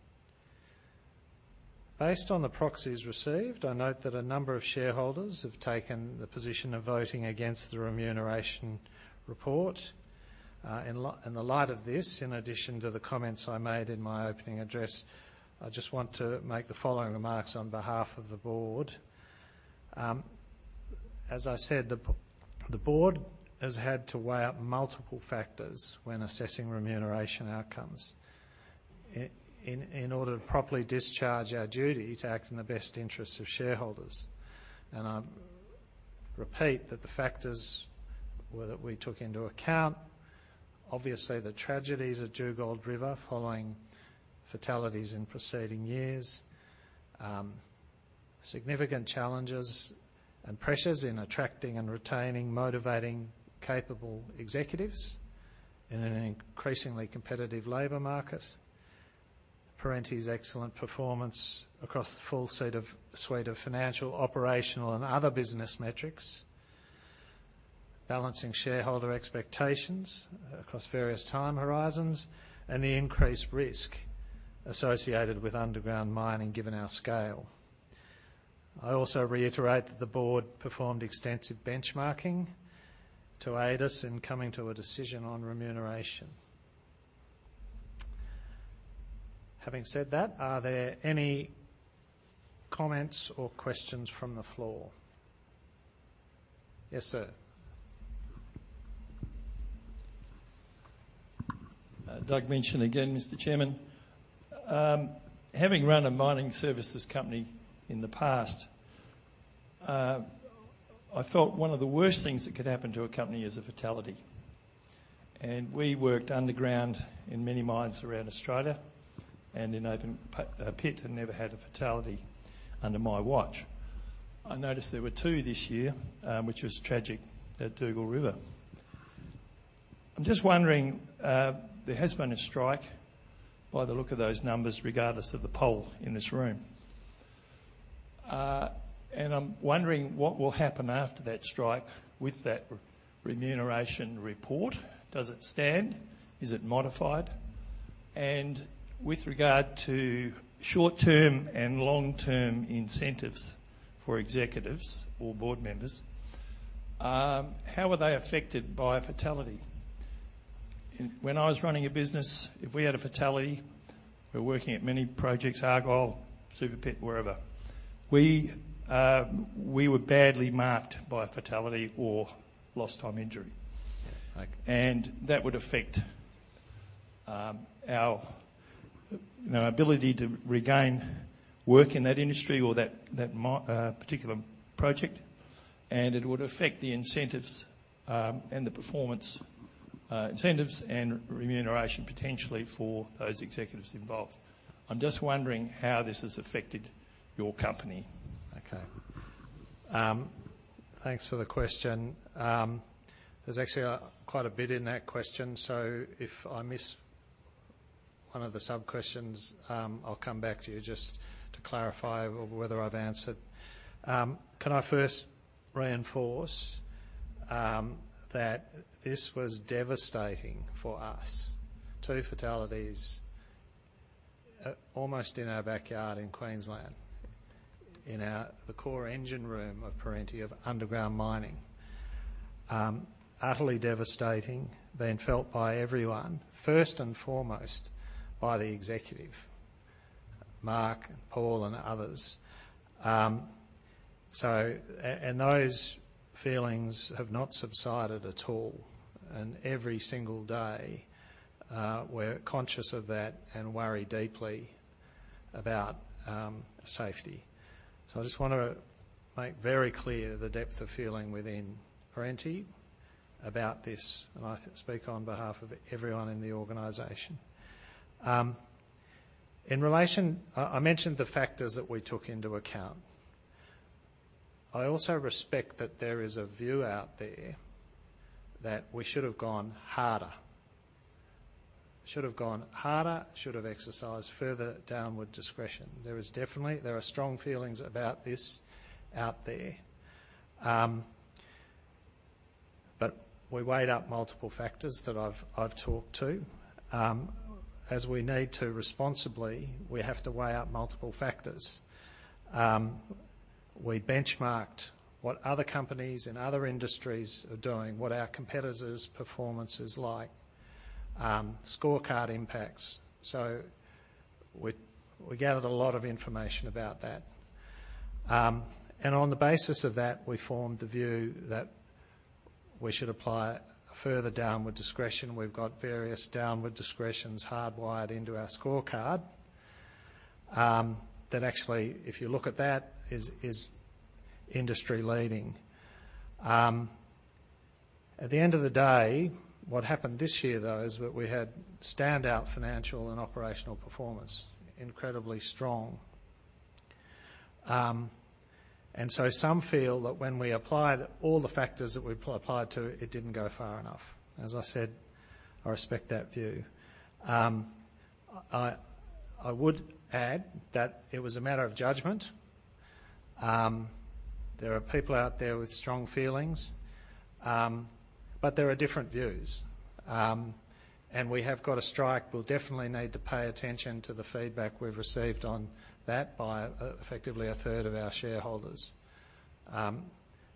Based on the proxies received, I note that a number of shareholders have taken the position of voting against the remuneration report. In the light of this, in addition to the comments I made in my opening address, I just want to make the following remarks on behalf of the board. As I said, the board has had to weigh up multiple factors when assessing remuneration outcomes in order to properly discharge our duty to act in the best interests of shareholders. And I repeat that the factors that we took into account, obviously, the tragedies at Dugald River following fatalities in preceding years. Significant challenges and pressures in attracting and retaining, motivating capable executives in an increasingly competitive labor market. Perenti's excellent performance across the full set of, suite of financial, operational, and other business metrics. Balancing shareholder expectations across various time horizons, and the increased risk associated with underground mining, given our scale. I also reiterate that the board performed extensive benchmarking to aid us in coming to a decision on remuneration. Having said that, are there any comments or questions from the floor? Yes, sir. Doug Minchin again, Mr. Chairman. Having run a mining services company in the past, I felt one of the worst things that could happen to a company is a fatality. And we worked underground in many mines around Australia and in open pit, and never had a fatality under my watch. I noticed there were two this year, which was tragic at Dugald River. I'm just wondering, there has been a strike by the look of those numbers, regardless of the poll in this room. And I'm wondering what will happen after that strike with that remuneration report. Does it stand? Is it modified? And with regard to short-term and long-term incentives for executives or board members, how are they affected by a fatality? When I was running a business, if we had a fatality, we were working at many projects, Argyle, Super Pit, wherever. We, we were badly marked by a fatality or lost time injury. Okay. And that would affect our, you know, ability to regain work in that industry or that particular project, and it would affect the incentives and the performance incentives and remuneration potentially for those executives involved. I'm just wondering how this has affected your company. Okay. Thanks for the question. There's actually quite a bit in that question, so if I miss one of the sub-questions, I'll come back to you just to clarify whether I've answered. Can I first reinforce that this was devastating for us? Two fatalities almost in our backyard in Queensland, in our, the core engine room of Perenti of underground mining. Utterly devastating, being felt by everyone, first and foremost by the executive, Mark, Paul, and others. So and those feelings have not subsided at all, and every single day, we're conscious of that and worry deeply about safety. So I just want to make very clear the depth of feeling within Perenti about this, and I speak on behalf of everyone in the organization. In relation... I mentioned the factors that we took into account. I also respect that there is a view out there that we should have gone harder. Should have gone harder, should have exercised further downward discretion. There is definitely, there are strong feelings about this out there. But we weighed up multiple factors that I've talked to, as we need to responsibly, we have to weigh up multiple factors. We benchmarked what other companies in other industries are doing, what our competitors' performance is like, scorecard impacts. So we gathered a lot of information about that. And on the basis of that, we formed the view that we should apply further downward discretion. We've got various downward discretions hardwired into our scorecard, that actually, if you look at that, is industry-leading. At the end of the day, what happened this year, though, is that we had standout financial and operational performance, incredibly strong. And so some feel that when we applied all the factors that we applied to, it didn't go far enough. As I said, I respect that view. I would add that it was a matter of judgment. There are people out there with strong feelings, but there are different views. And we have got a strike. We'll definitely need to pay attention to the feedback we've received on that by, effectively a third of our shareholders.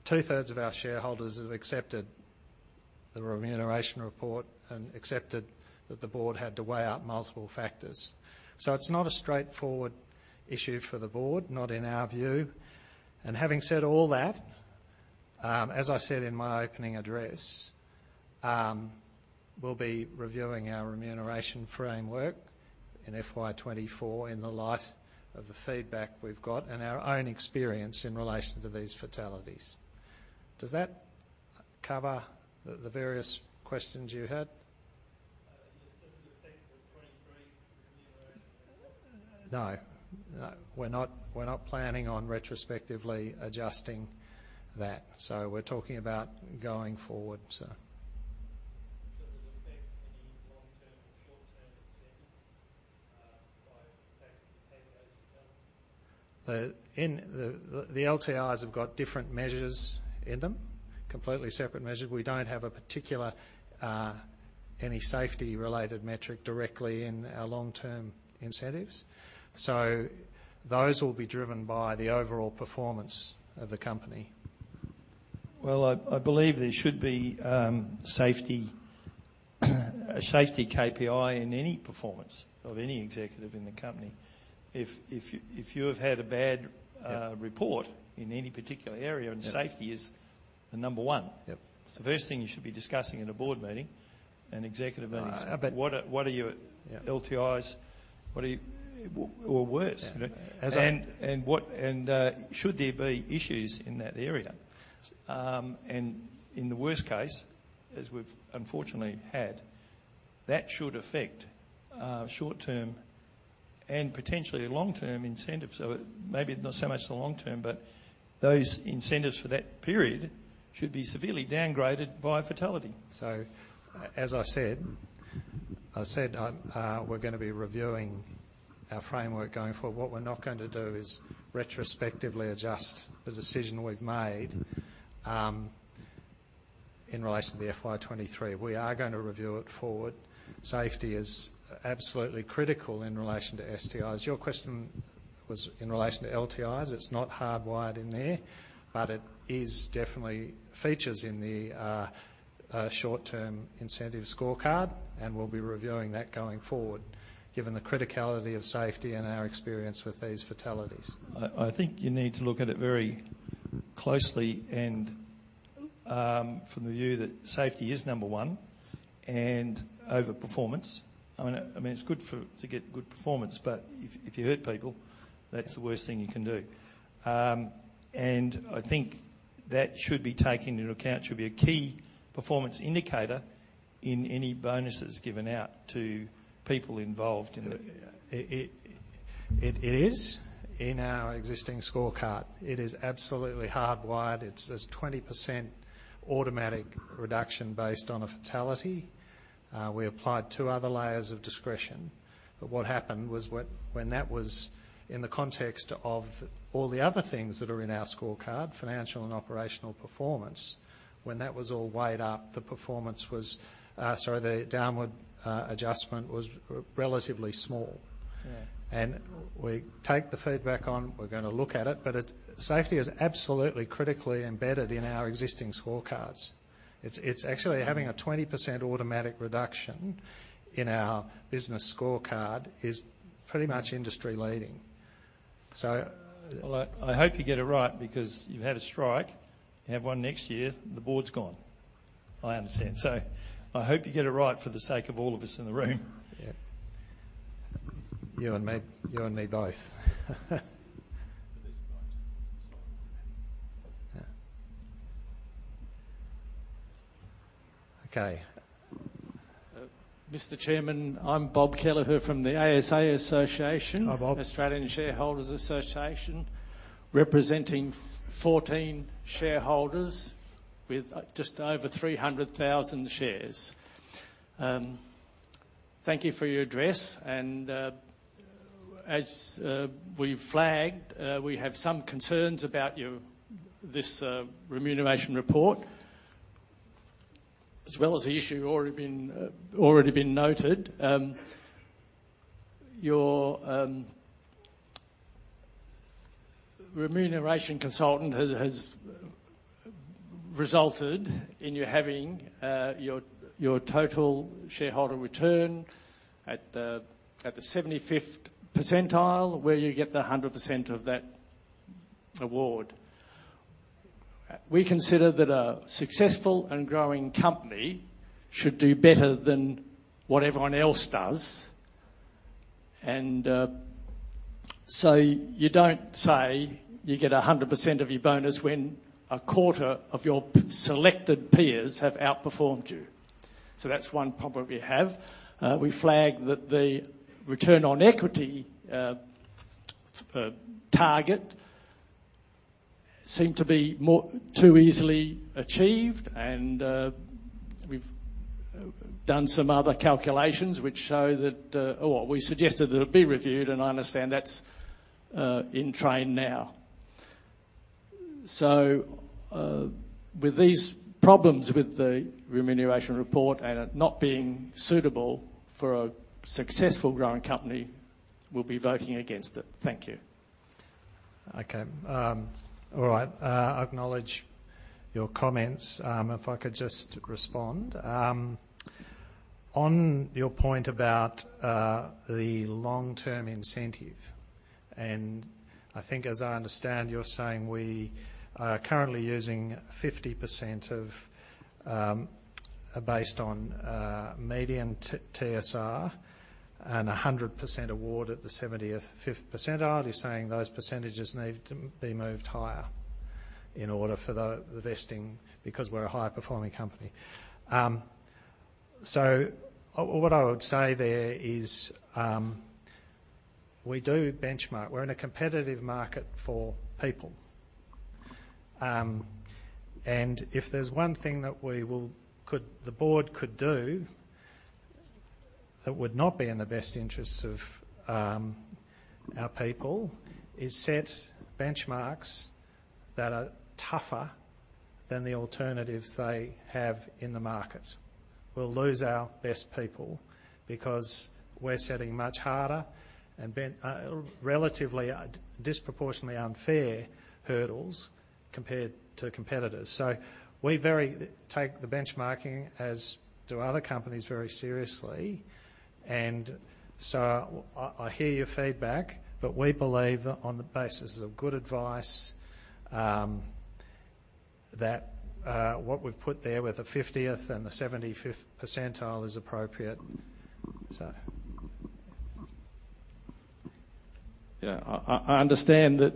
Two-thirds of our shareholders have accepted the remuneration report and accepted that the board had to weigh up multiple factors. So it's not a straightforward issue for the board, not in our view. Having said all that, as I said in my opening address, we'll be reviewing our remuneration framework in FY 2024 in the light of the feedback we've got and our own experience in relation to these fatalities. Does that cover the various questions you had? Does it affect the 2023 remuneration? No. No, we're not, we're not planning on retrospectively adjusting that, so we're talking about going forward, so. Does it affect any long-term or short-term incentives by the fact that you've had those fatalities? The LTIs have got different measures in them, completely separate measures. We don't have a particular any safety-related metric directly in our long-term incentives, so those will be driven by the overall performance of the company. Well, I, I believe there should be safety, a safety KPI in any performance of any executive in the company. If, if you, if you have had a bad- Yep report in any particular area. Yep. And safety is the number one. Yep. It's the first thing you should be discussing in a board meeting and executive meetings. Uh, but- What are your- Yep LTIs? What are you... or worse? Yeah. As I- And what should there be issues in that area, and in the worst case, as we've unfortunately had, that should affect short-term and potentially long-term incentives. So maybe not so much the long term, but those incentives for that period should be severely downgraded by fatality. So as I said, I said, we're gonna be reviewing our framework going forward. What we're not going to do is retrospectively adjust the decision we've made in relation to the FY 2023. We are gonna review it forward. Safety is absolutely critical in relation to STIs. Your question was in relation to LTIs. It's not hardwired in there, but it is definitely features in the short-term incentive scorecard, and we'll be reviewing that going forward, given the criticality of safety and our experience with these fatalities. I think you need to look at it very closely and from the view that safety is number one and over performance. I mean, I mean, it's good for to get good performance, but if you hurt people, that's the worst thing you can do. And I think that should be taken into account, should be a key performance indicator in any bonuses given out to people involved in it. It is in our existing scorecard. It is absolutely hardwired. It's, there's 20% automatic reduction based on a fatality. We applied two other layers of discretion, but what happened was when that was in the context of all the other things that are in our scorecard, financial and operational performance, when that was all weighed up, the performance was, sorry, the downward adjustment was relatively small. Yeah. We take the feedback on. We're gonna look at it, but it... Safety is absolutely critically embedded in our existing scorecards. It's, it's actually having a 20% automatic reduction in our business scorecard is pretty much industry-leading. So- Well, I hope you get it right, because you've had a strike. You have one next year, the board's gone. I understand. So I hope you get it right for the sake of all of us in the room. Yep. You and me, you and me both. Okay. Mr. Chairman, I'm Bob Kelleher from the ASA Association. Hi, Bob. Australian Shareholders Association, representing 14 shareholders with just over 300,000 shares. Thank you for your address, and, as we've flagged, we have some concerns about your remuneration report, as well as the issue already been noted. Your remuneration consultant has resulted in you having your total shareholder return at the 75th percentile, where you get 100% of that award. We consider that a successful and growing company should do better than what everyone else does, and so you don't say you get 100% of your bonus when a quarter of your selected peers have outperformed you. So that's one problem we have. We flagged that the return on equity target seemed to be more too easily achieved, and we've done some other calculations which show that. Or we suggested that it be reviewed, and I understand that's in train now. So, with these problems with the remuneration report and it not being suitable for a successful growing company, we'll be voting against it. Thank you. Okay. All right. I acknowledge your comments. If I could just respond. On your point about the long-term incentive, and I think, as I understand, you're saying we are currently using 50% of, based on, median TSR and a 100% award at the 75th percentile. You're saying those percentages need to be moved higher in order for the vesting, because we're a high-performing company. So what I would say there is, we do benchmark. We're in a competitive market for people. And if there's one thing that the board could do that would not be in the best interests of our people, is set benchmarks that are tougher than the alternatives they have in the market. We'll lose our best people because we're setting much harder and relatively, disproportionately unfair hurdles compared to competitors. So we very take the benchmarking, as do other companies, very seriously. And so I, I hear your feedback, but we believe that on the basis of good advice, that what we've put there with the 50th and the 75th percentile is appropriate, so. Yeah. I understand that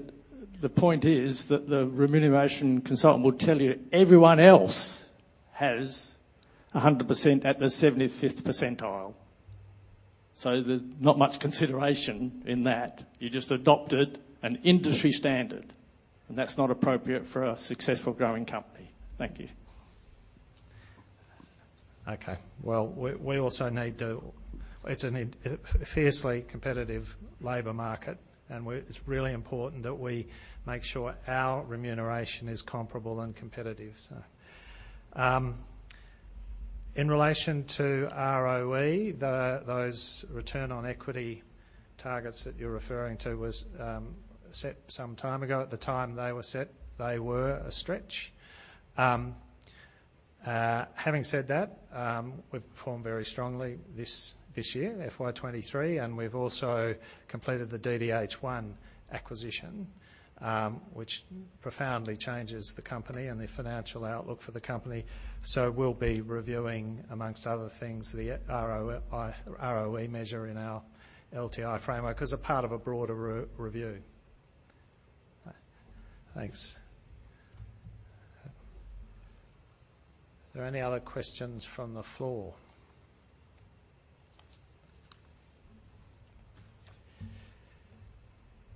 the point is that the remuneration consultant will tell you everyone else has 100% at the 75th percentile. So there's not much consideration in that. You just adopted an industry standard, and that's not appropriate for a successful growing company. Thank you. Okay. Well, we also need to... It's a fiercely competitive labor market, and it's really important that we make sure our remuneration is comparable and competitive. In relation to ROE, those return on equity targets that you're referring to were set some time ago. At the time they were set, they were a stretch. Having said that, we've performed very strongly this year, FY 2023, and we've also completed the DDH1 acquisition, which profoundly changes the company and the financial outlook for the company. We'll be reviewing, amongst other things, the ROI, ROE measure in our LTI framework as a part of a broader review. Thanks. Are there any other questions from the floor?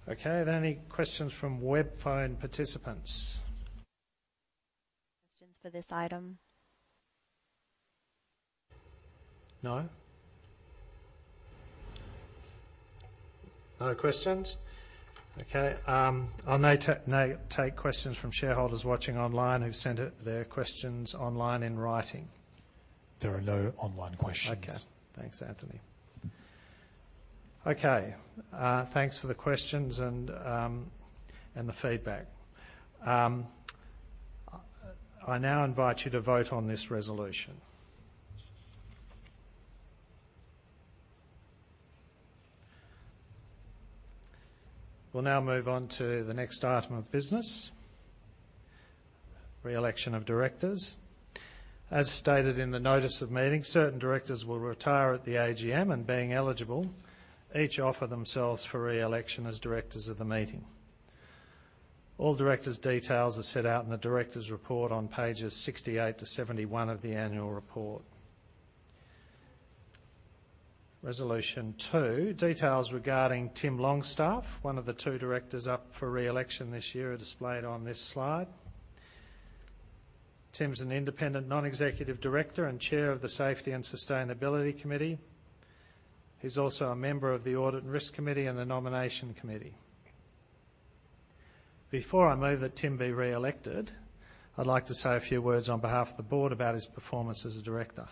Okay, are there any questions from web phone participants? Questions for this item. No? No questions. Okay, I'll now take questions from shareholders watching online who've sent their questions online in writing. There are no online questions. Okay. Thanks, Anthony. Okay, thanks for the questions and the feedback. I now invite you to vote on this resolution. We'll now move on to the next item of business, re-election of directors. As stated in the notice of meeting, certain directors will retire at the AGM, and being eligible, each offer themselves for re-election as directors of the meeting. All directors' details are set out in the directors' report on Pages 68-71 of the annual report. Resolution 2, details regarding Tim Longstaff, one of the two directors up for re-election this year, are displayed on this slide. Tim's an independent non-executive director and Chair of the Safety and Sustainability Committee. He's also a member of the Audit and Risk Committee and the Nomination Committee. Before I move that Tim be re-elected, I'd like to say a few words on behalf of the board about his performance as a director.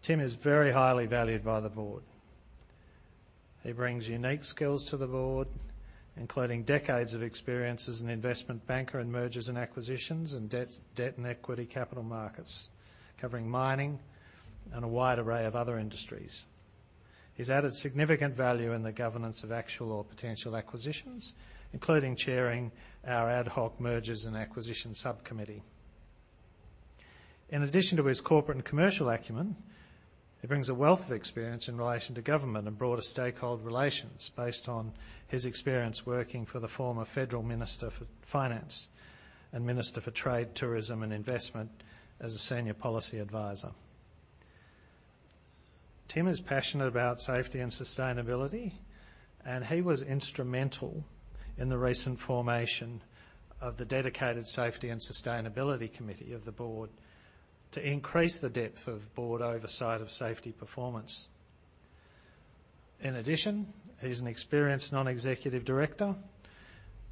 Tim is very highly valued by the board. He brings unique skills to the board, including decades of experience as an investment banker in mergers and acquisitions and debt, debt and equity capital markets, covering mining and a wide array of other industries. He's added significant value in the governance of actual or potential acquisitions, including chairing our Ad Hoc Mergers and Acquisitions Subcommittee. In addition to his corporate and commercial acumen, he brings a wealth of experience in relation to government and broader stakeholder relations based on his experience working for the former Federal Minister for Finance and Minister for Trade, Tourism, and Investment as a senior policy advisor. Tim is passionate about safety and sustainability, and he was instrumental in the recent formation of the dedicated Safety and Sustainability Committee of the board to increase the depth of board oversight of safety performance. In addition, he's an experienced non-executive director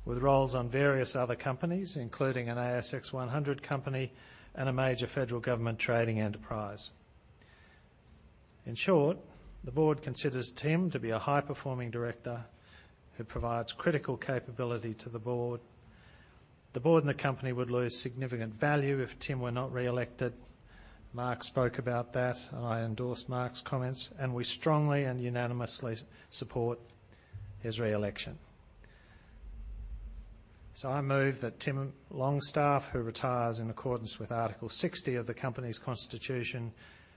with roles on various other companies, including an ASX 100 company and a major federal government trading enterprise. In short, the board considers Tim to be a high-performing director who provides critical capability to the board. The board and the company would lose significant value if Tim were not re-elected. Mark spoke about that, and I endorse Mark's comments, and we strongly and unanimously support his re-election. So I move that Tim Longstaff, who retires in accordance with Article 60 of the company's constitution,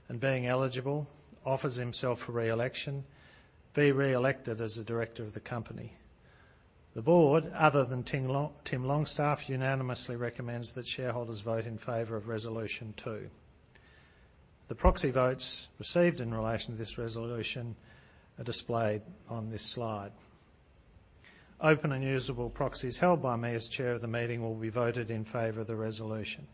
and being eligible, offers himself for re-election, be re-elected as a director of the company. The board, other than Tim Longstaff, unanimously recommends that shareholders vote in favor of Resolution 2. The proxy votes received in relation to this resolution are displayed on this slide. Open and usable proxies held by me as chair of the meeting will be voted in favor of the resolution.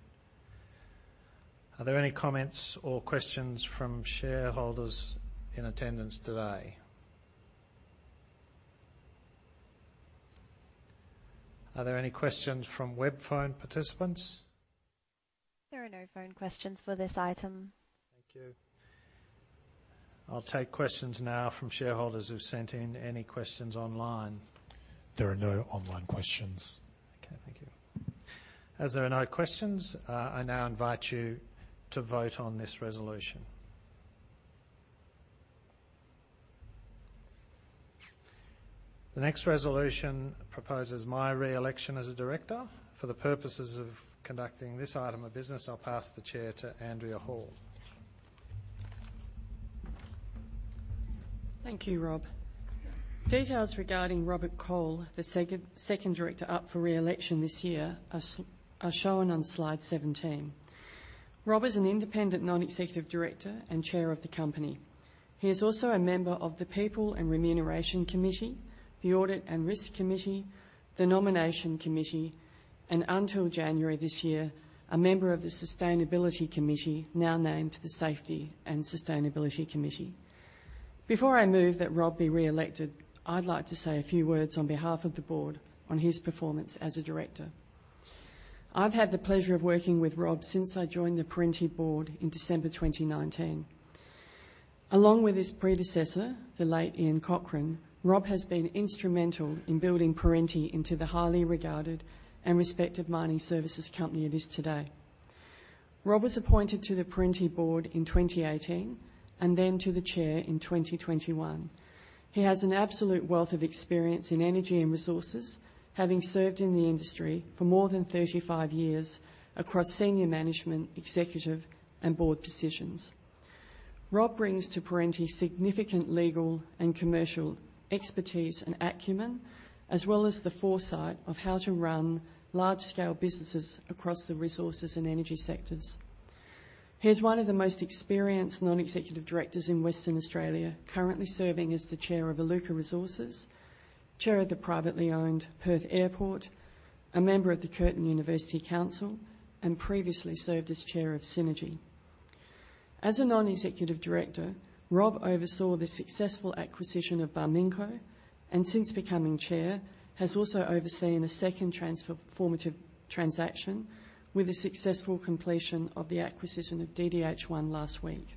Are there any comments or questions from shareholders in attendance today? Are there any questions from web phone participants? There are no phone questions for this item. Thank you. I'll take questions now from shareholders who've sent in any questions online. There are no online questions. Okay, thank you. As there are no questions, I now invite you to vote on this resolution. The next resolution proposes my re-election as a director. For the purposes of conducting this item of business, I'll pass the chair to Andrea Hall. Thank you, Rob. Details regarding Robert Cole, the second director up for re-election this year, are shown on Slide 17. Rob is an independent non-executive director and chair of the company. He is also a member of the People and Remuneration Committee, the Audit and Risk Committee, the Nomination Committee, and until January this year, a member of the Sustainability Committee, now named the Safety and Sustainability Committee. Before I move that Rob be re-elected, I'd like to say a few words on behalf of the board on his performance as a director. I've had the pleasure of working with Rob since I joined the Perenti board in December 2019. Along with his predecessor, the late Ian Cochrane, Rob has been instrumental in building Perenti into the highly regarded and respected mining services company it is today. Rob was appointed to the Perenti board in 2018, and then to the Chair in 2021. He has an absolute wealth of experience in energy and resources, having served in the industry for more than 35 years across senior management, executive, and board positions. Rob brings to Perenti significant legal and commercial expertise and acumen, as well as the foresight of how to run large-scale businesses across the resources and energy sectors. He is one of the most experienced non-executive directors in Western Australia, currently serving as the Chair of Iluka Resources, Chair of the privately owned Perth Airport, a member of the Curtin University Council, and previously served as Chair of Synergy. As a non-executive director, Rob oversaw the successful acquisition of Barminco, and since becoming Chair, has also overseen a second transformative transaction with the successful completion of the acquisition of DDH1 last week.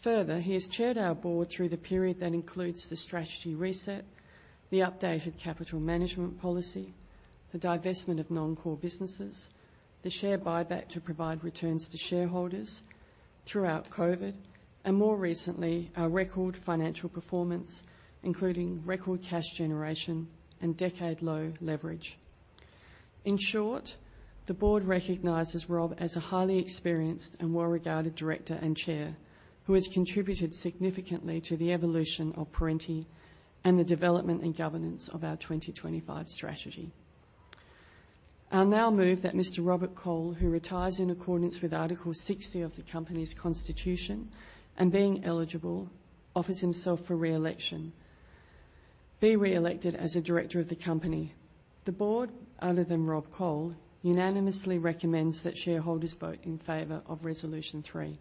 Further, he has chaired our board through the period that includes the strategy reset, the updated capital management policy, the divestment of non-core businesses, the share buyback to provide returns to shareholders throughout COVID, and more recently, our record financial performance, including record cash generation and decade-low leverage. In short, the board recognizes Rob as a highly experienced and well-regarded director and chair, who has contributed significantly to the evolution of Perenti and the development and governance of our 2025 strategy. I'll now move that Mr. Robert Cole, who retires in accordance with Article 60 of the company's constitution, and being eligible, offers himself for re-election, be re-elected as a director of the company. The board, other than Rob Cole, unanimously recommends that shareholders vote in favor of Resolution 3.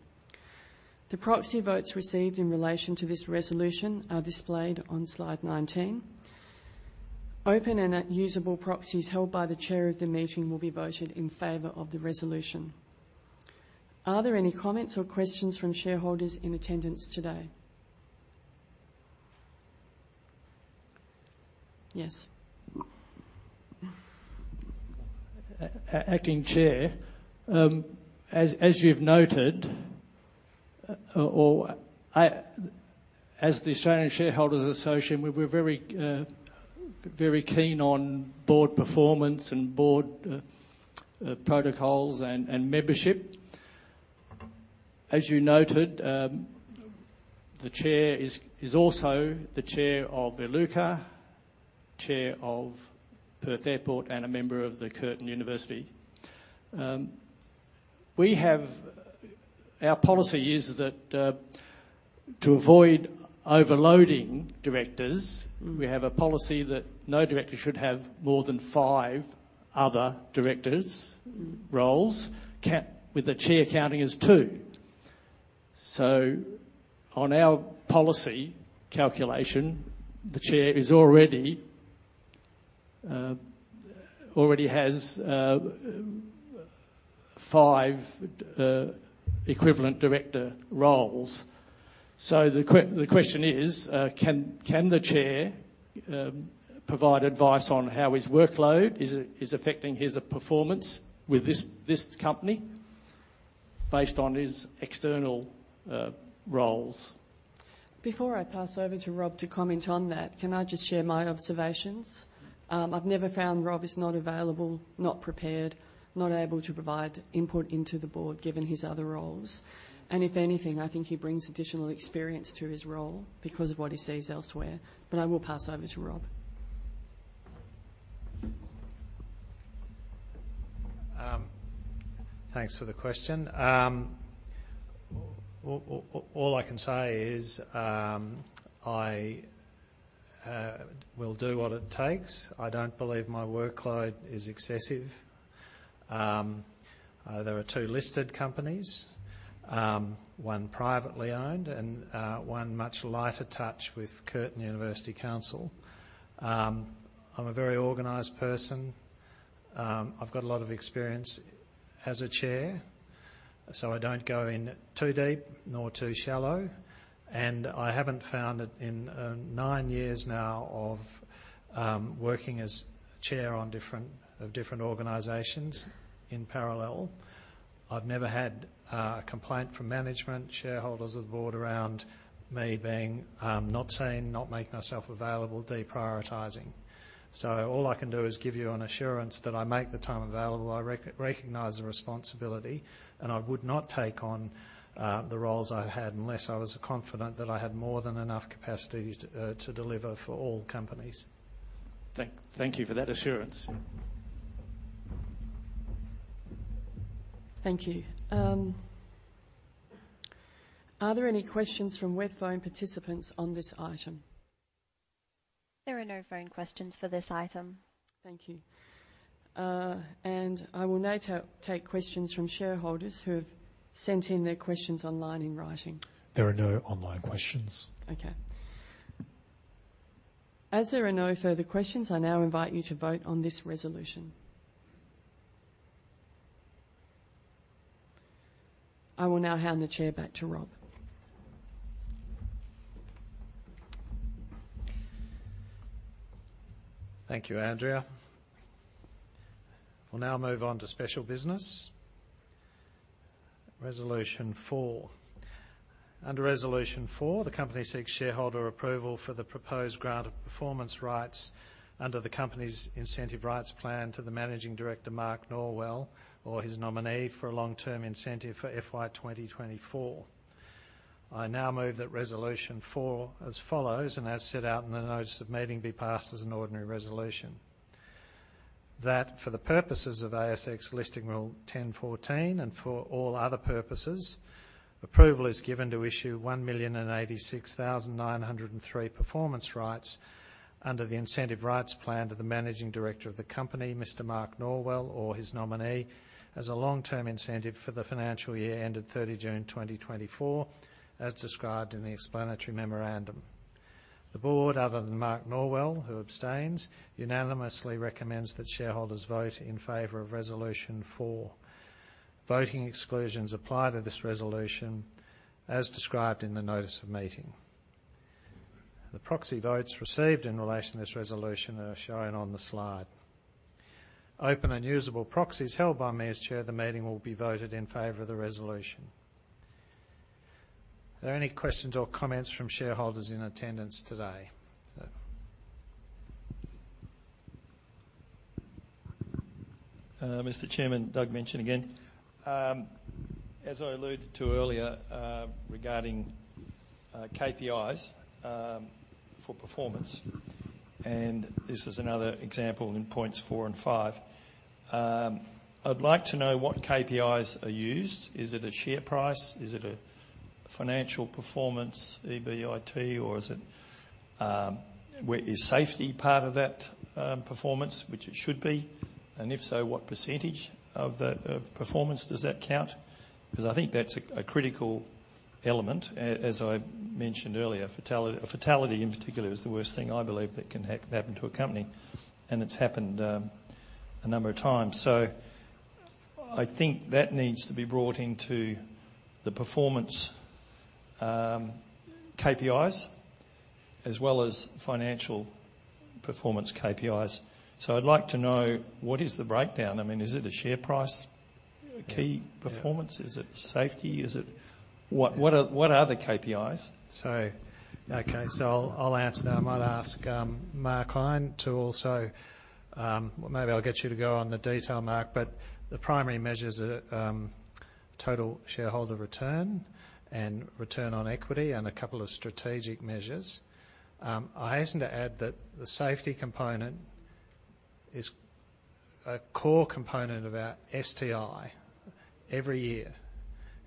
The proxy votes received in relation to this resolution are displayed on Slide 19. Open and usable proxies held by the chair of the meeting will be voted in favor of the resolution. Are there any comments or questions from shareholders in attendance today? Yes. Acting Chair, as you've noted, as the Australian Shareholders Association, we're very keen on board performance and board protocols and membership. As you noted, the chair is also the chair of Iluka, chair of Perth Airport, and a member of the Curtin University. Our policy is that, to avoid overloading directors, we have a policy that no director should have more than five other directors' roles, with the chair counting as two. So on our policy calculation, the chair already has five equivalent director roles. So the question is, can the chair provide advice on how his workload is affecting his performance with this company, based on his external roles? Before I pass over to Rob to comment on that, can I just share my observations? I've never found Rob is not available, not prepared, not able to provide input into the board, given his other roles. And if anything, I think he brings additional experience to his role because of what he sees elsewhere. But I will pass over to Rob. Thanks for the question. All I can say is, I will do what it takes. I don't believe my workload is excessive. There are two listed companies, one privately owned and one much lighter touch with Curtin University Council. I'm a very organized person. I've got a lot of experience as a chair, so I don't go in too deep nor too shallow. And I haven't found it in nine years now of working as chair on different organizations in parallel. I've never had a complaint from management, shareholders or the board around me being not seen, not making myself available, deprioritizing. So all I can do is give you an assurance that I make the time available. I recognize the responsibility, and I would not take on the roles I've had unless I was confident that I had more than enough capacity to deliver for all companies. Thank you for that assurance. Thank you. Are there any questions from web phone participants on this item? There are no phone questions for this item. Thank you. And I will now take questions from shareholders who have sent in their questions online in writing. There are no online questions. Okay. As there are no further questions, I now invite you to vote on this resolution. I will now hand the chair back to Rob. Thank you, Andrea. We'll now move on to special business. Resolution 4. Under Resolution 4, the company seeks shareholder approval for the proposed grant of performance rights under the company's incentive rights plan to the Managing Director, Mark Norwell, or his nominee for a long-term incentive for FY 2024. I now move that Resolution 4 as follows, and as set out in the notice of meeting, be passed as an ordinary resolution. That for the purposes of ASX Listing Rule 10.14 and for all other purposes, approval is given to issue 1,086,903 performance rights under the incentive rights plan to the Managing Director of the company, Mr. Mark Norwell, or his nominee, as a long-term incentive for the financial year ended 30 June 2024, as described in the explanatory memorandum. The board, other than Mark Norwell, who abstains, unanimously recommends that shareholders vote in favor of Resolution 4. Voting exclusions apply to this resolution as described in the notice of meeting. The proxy votes received in relation to this resolution are shown on the slide. Open and usable proxies held by me as chair of the meeting will be voted in favor of the resolution. Are there any questions or comments from shareholders in attendance today? Mr. Chairman, Doug Minchin again. As I alluded to earlier, regarding KPIs for performance, and this is another example in points four and five. I'd like to know what KPIs are used. Is it a share price? Is it a financial performance, EBIT, or is it where is safety part of that performance, which it should be? And if so, what percentage of the performance does that count? Because I think that's a critical element. As I mentioned earlier, fatality, a fatality in particular, is the worst thing I believe that can happen to a company, and it's happened a number of times. So I think that needs to be brought into the performance KPIs as well as financial performance KPIs. So I'd like to know what is the breakdown? I mean, is it a share price key performance? Yeah. Is it safety? Is it... Yeah. What are the KPIs? So, okay, so I'll answer that. I might ask Mark Hine to also... Well, maybe I'll get you to go on the detail, Mark, but the primary measures are total shareholder return and return on equity and a couple of strategic measures. I hasten to add that the safety component is a core component of our STI every year,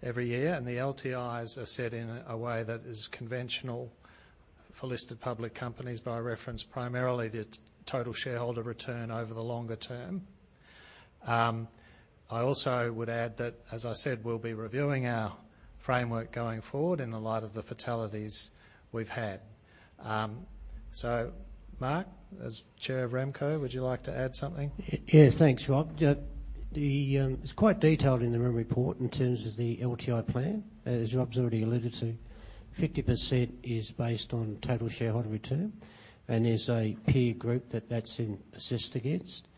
every year, and the LTIs are set in a way that is conventional for listed public companies by reference primarily to total shareholder return over the longer term. I also would add that, as I said, we'll be reviewing our framework going forward in the light of the fatalities we've had. So Mark, as chair of Remco, would you like to add something? Yeah, thanks, Rob. Yeah, it's quite detailed in the written report in terms of the LTI plan. As Rob's already alluded to, 50% is based on total shareholder return, and there's a peer group that that's in assessed against.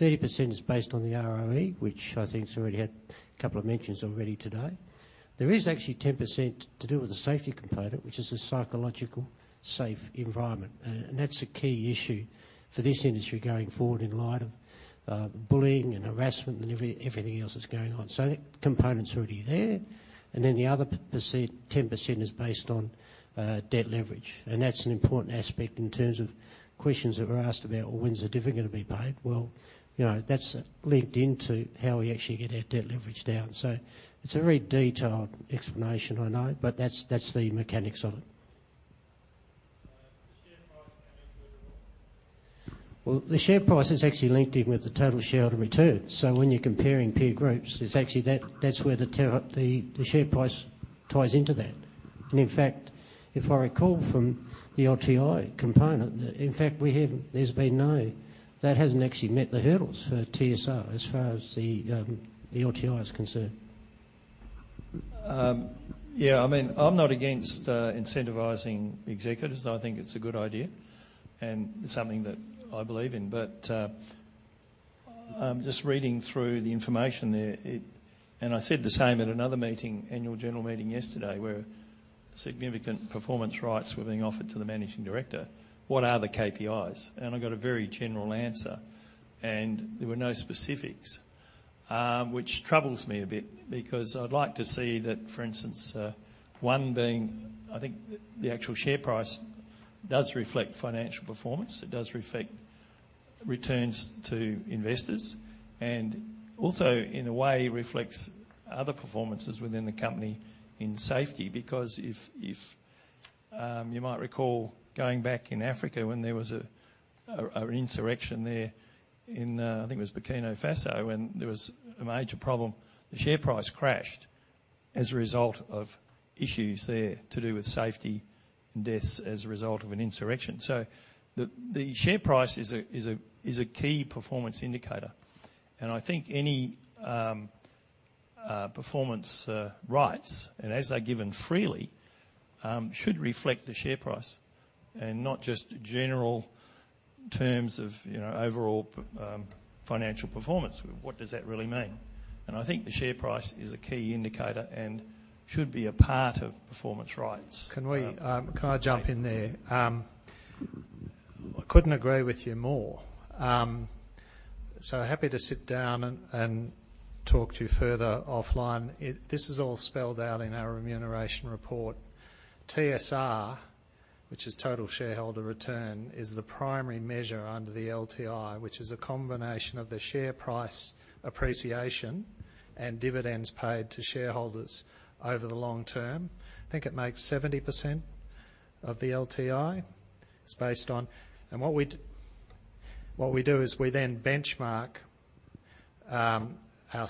30% is based on the ROE, which I think has already had a couple of mentions already today. There is actually 10% to do with the safety component, which is a psychological safe environment, and that's a key issue for this industry going forward in light of, bullying and harassment and everything else that's going on. So that component's already there, and then the other percent, 10% is based on, debt leverage, and that's an important aspect in terms of questions that were asked about, well, when's the dividend going to be paid? Well, you know, that's linked into how we actually get our debt leverage down. So it's a very detailed explanation, I know, but that's, that's the mechanics of it. Well, the share price is actually linked in with the total shareholder return. So when you're comparing peer groups, it's actually that, that's where the share price ties into that. And in fact, if I recall from the LTI component, in fact, we haven't—there's been no, that hasn't actually met the hurdles for TSR as far as the LTI is concerned. Yeah, I mean, I'm not against incentivizing executives. I think it's a good idea and something that I believe in. But just reading through the information there, it... I said the same at another meeting, annual general meeting yesterday, where significant performance rights were being offered to the managing director. What are the KPIs? And I got a very general answer, and there were no specifics, which troubles me a bit because I'd like to see that, for instance, one being, I think the actual share price does reflect financial performance. It does reflect returns to investors and also, in a way, reflects other performances within the company in safety. Because if you might recall going back in Africa when there was an insurrection there in, I think it was Burkina Faso, and there was a major problem. The share price crashed as a result of issues there to do with safety and deaths as a result of an insurrection. So the share price is a key performance indicator, and I think any performance rights, and as they're given freely, should reflect the share price and not just general terms of, you know, overall Perenti financial performance. What does that really mean? And I think the share price is a key indicator and should be a part of performance rights. Can we, can I jump in there? I couldn't agree with you more. So happy to sit down and talk to you further offline. This is all spelled out in our remuneration report. TSR, which is total shareholder return, is the primary measure under the LTI, which is a combination of the share price appreciation and dividends paid to shareholders over the long term. I think it makes 70% of the LTI. It's based on... And what we do is we then benchmark our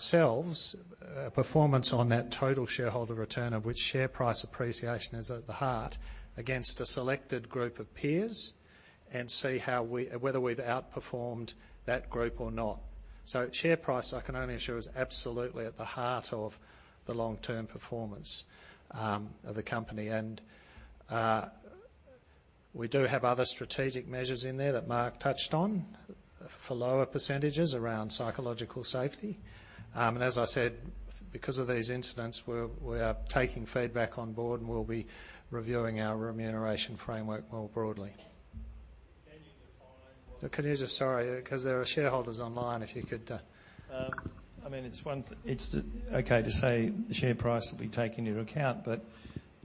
performance on that total shareholder return, of which share price appreciation is at the heart, against a selected group of peers and see whether we've outperformed that group or not. So share price, I can only assure, is absolutely at the heart of the long-term performance of the company. We do have other strategic measures in there that Mark touched on for lower percentages around psychological safety. As I said, because of these incidents, we are taking feedback on board, and we'll be reviewing our remuneration framework more broadly. Can you just follow up?- Can you just... Sorry, because there are shareholders online, if you could... I mean, it's okay to say the share price will be taken into account, but,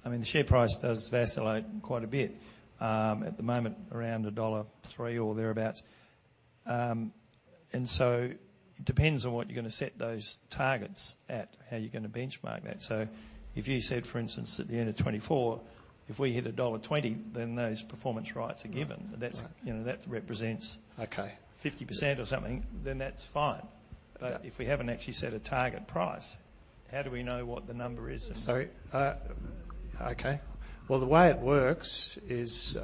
I mean, the share price does vacillate quite a bit. At the moment, around dollar 1.03 or thereabouts. And so it depends on what you're going to set those targets at, how you're going to benchmark that. So if you said, for instance, at the end of 2024, if we hit dollar 1.20, then those performance rights are given. Right. That's, you know, that represents- Okay. 50% or something, then that's fine. Yeah. But if we haven't actually set a target price, how do we know what the number is? Sorry. Okay. Well, the way it works is,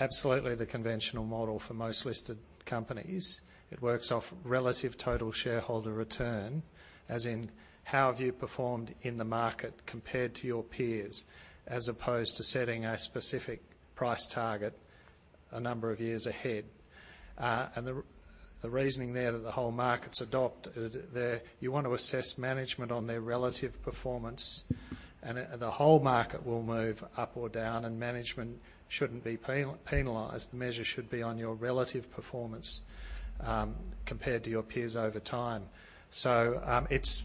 absolutely the conventional model for most listed companies. It works off relative total shareholder return, as in how have you performed in the market compared to your peers, as opposed to setting a specific price target a number of years ahead. And the reasoning there that the whole markets adopt, you want to assess management on their relative performance, and the whole market will move up or down, and management shouldn't be penalized. The measure should be on your relative performance, compared to your peers over time. So, it's,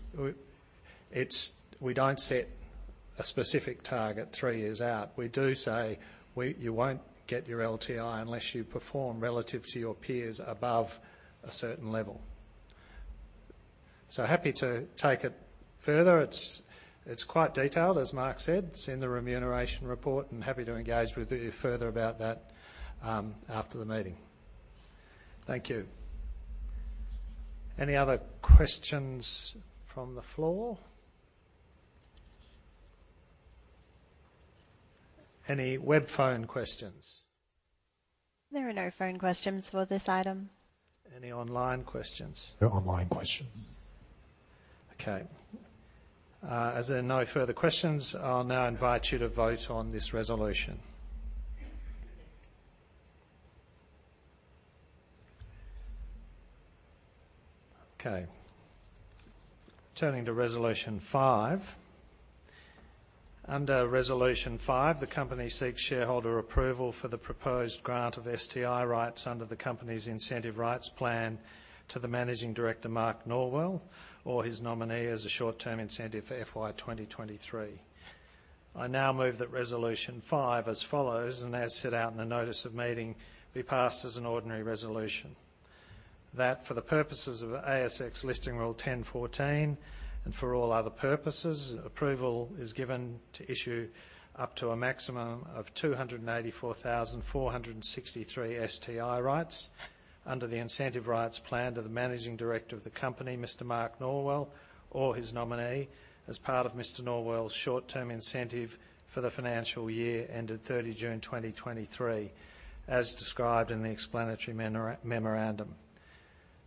we don't set a specific target three years out. We do say, "You won't get your LTI unless you perform relative to your peers above a certain level." So happy to take it further. It's quite detailed, as Mark said. It's in the remuneration report, and happy to engage with you further about that, after the meeting. Thank you. Any other questions from the floor? Any web phone questions? There are no phone questions for this item. Any online questions? No online questions. Okay. As there are no further questions, I'll now invite you to vote on this resolution. Okay, turning to Resolution 5. Under Resolution 5, the company seeks shareholder approval for the proposed grant of STI rights under the company's incentive rights plan to the Managing Director, Mark Norwell, or his nominee, as a short-term incentive for FY 2023. I now move that Resolution Five as follows, and as set out in the notice of meeting, be passed as an ordinary resolution. that for the purposes of ASX Listing Rule 10.14, and for all other purposes, approval is given to issue up to a maximum of 284,463 STI rights under the incentive rights plan to the Managing Director of the company, Mr. Mark Norwell, or his nominee, as part of Mr. Norwell's short-term incentive for the financial year ended 30 June 2023, as described in the explanatory memorandum.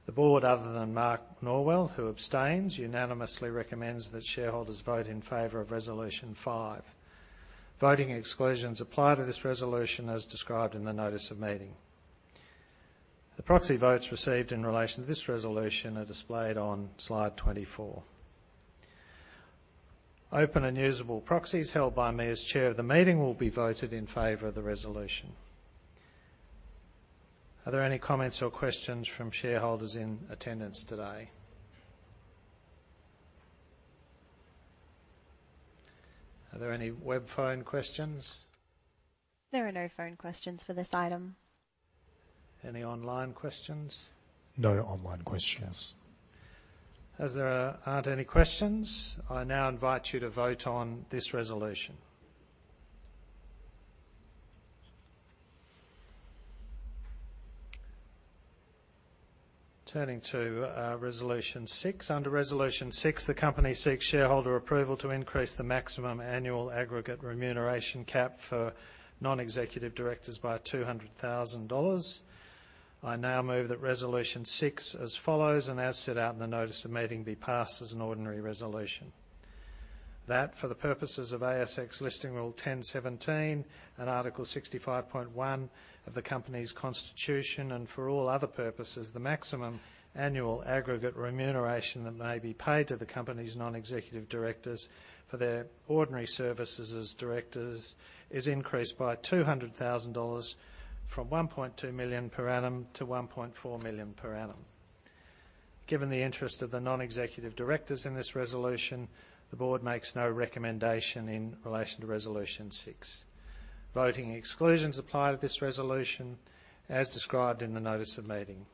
The board, other than Mark Norwell, who abstains, unanimously recommends that shareholders vote in favor of Resolution 5. Voting exclusions apply to this resolution as described in the notice of meeting. The proxy votes received in relation to this resolution are displayed on Slide 24. Open and usable proxies held by me as chair of the meeting will be voted in favor of the resolution. Are there any comments or questions from shareholders in attendance today? Are there any web phone questions? There are no phone questions for this item. Any online questions? No online questions. As there aren't any questions, I now invite you to vote on this resolution. Turning to Resolution six. Under Resolution six, the company seeks shareholder approval to increase the maximum annual aggregate remuneration cap for non-executive directors by 200,000 dollars. I now move that Resolution six as follows, and as set out in the notice of meeting, be passed as an ordinary resolution. That for the purposes of ASX Listing Rule 10.17 and Article 65.1 of the Company's Constitution, and for all other purposes, the maximum annual aggregate remuneration that may be paid to the Company's non-executive directors for their ordinary services as directors is increased by 200,000 dollars from 1.2 million per annum to 1.4 million per annum. Given the interest of the non-executive directors in this resolution, the Board makes no recommendation in relation to Resolution 6. Voting exclusions apply to this resolution as described in the notice of meeting.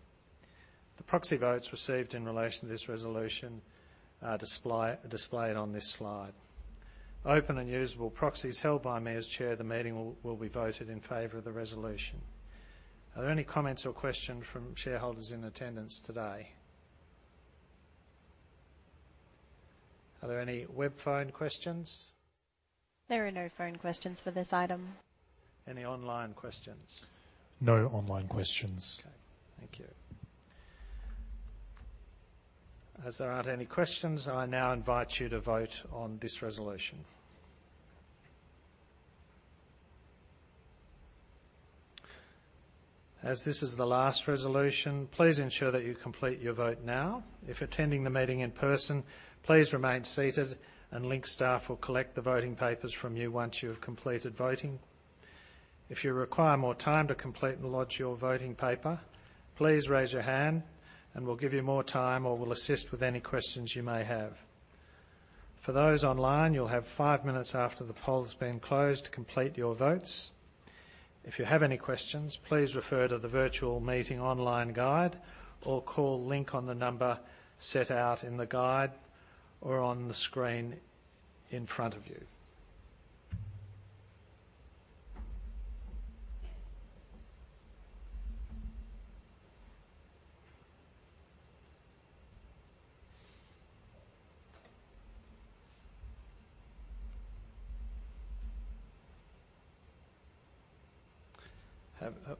The proxy votes received in relation to this resolution are displayed on this slide. Open and usable proxies held by me as chair of the meeting will be voted in favor of the resolution. Are there any comments or questions from shareholders in attendance today? Are there any web phone questions? There are no phone questions for this item. Any online questions? No online questions. Okay. Thank you. As there aren't any questions, I now invite you to vote on this resolution. As this is the last resolution, please ensure that you complete your vote now. If attending the meeting in person, please remain seated and Link staff will collect the voting papers from you once you have completed voting. If you require more time to complete and lodge your voting paper, please raise your hand and we'll give you more time or we'll assist with any questions you may have. For those online, you'll have five minutes after the poll has been closed to complete your votes. If you have any questions, please refer to the virtual meeting online guide or call Link on the number set out in the guide or on the screen in front of you.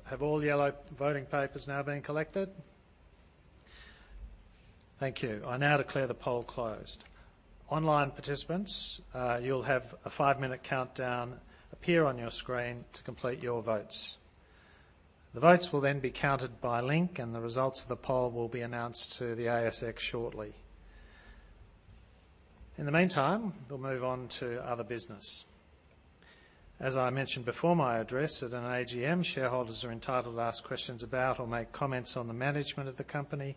Have all the yellow voting papers now been collected? Thank you. I now declare the poll closed. Online participants, you'll have a five-minute countdown appear on your screen to complete your votes. The votes will then be counted by Link, and the results of the poll will be announced to the ASX shortly. In the meantime, we'll move on to other business. As I mentioned before, my address at an AGM, shareholders are entitled to ask questions about or make comments on the management of the company.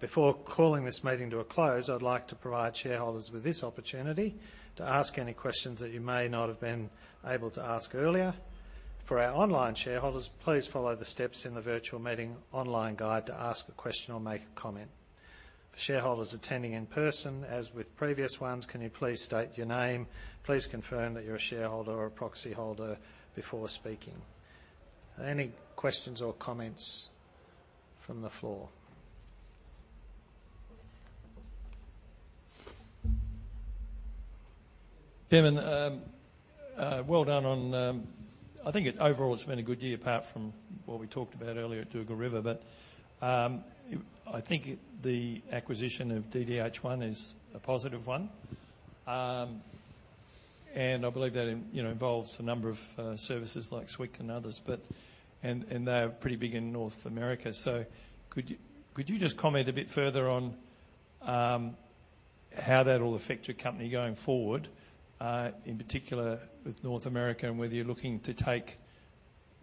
Before calling this meeting to a close, I'd like to provide shareholders with this opportunity to ask any questions that you may not have been able to ask earlier. For our online shareholders, please follow the steps in the virtual meeting online guide to ask a question or make a comment. For shareholders attending in person, as with previous ones, can you please state your name? Please confirm that you're a shareholder or a proxyholder before speaking. Are there any questions or comments from the floor? Chairman, well done on... I think it overall it's been a good year, apart from what we talked about earlier at Dugald River. But, it, I think the acquisition of DDH1 is a positive one. And I believe that, you know, involves a number of, services like Swick and others, but, and, and they are pretty big in North America. So could you, could you just comment a bit further on, how that will affect your company going forward, in particular with North America, and whether you're looking to take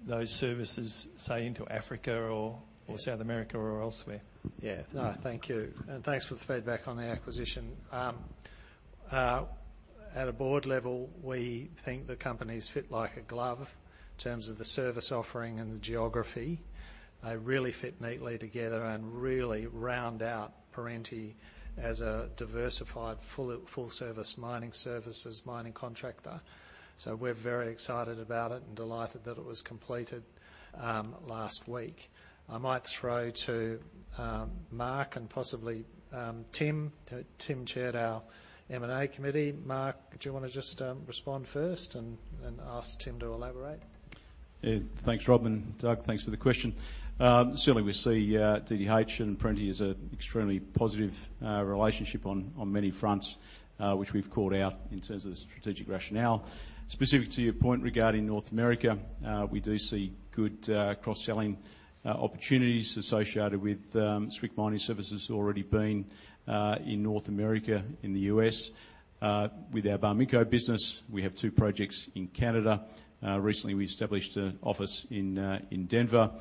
those services, say, into Africa or, or South America or elsewhere? Yeah. No, thank you. And thanks for the feedback on the acquisition. At a board level, we think the companies fit like a glove in terms of the service offering and the geography. They really fit neatly together and really round out Perenti as a diversified, full, full-service mining services mining contractor. So we're very excited about it and delighted that it was completed last week. I might throw to Mark and possibly Tim. Tim chaired our M&A committee. Mark, do you wanna just respond first and ask Tim to elaborate? Yeah. Thanks, Rob, and Doug, thanks for the question. Certainly, we see DDH and Perenti as an extremely positive relationship on many fronts, which we've called out in terms of the strategic rationale. Specific to your point regarding North America, we do see good cross-selling opportunities associated with Swick Mining Services already being in North America, in the US. With our Barminco business, we have two projects in Canada. Recently, we established an office in Denver,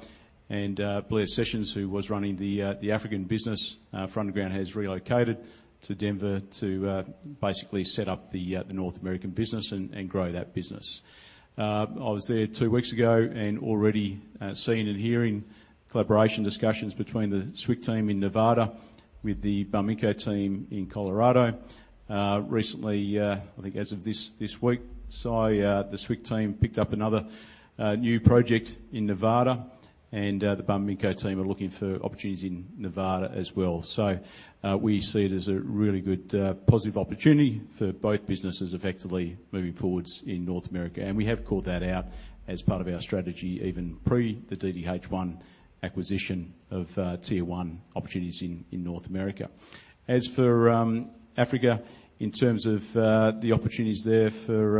and Blair Sessions, who was running the African business for underground, has relocated to Denver to basically set up the North American business and grow that business. I was there two weeks ago and already seeing and hearing collaboration discussions between the Swick team in Nevada with the Barminco team in Colorado. Recently, I think as of this this week, saw the Swick team picked up another new project in Nevada, and the Barminco team are looking for opportunities in Nevada as well. So, we see it as a really good positive opportunity for both businesses effectively moving forward in North America. And we have called that out as part of our strategy, even pre the DDH1 acquisition of Tier 1 opportunities in North America. As for Africa, in terms of the opportunities there for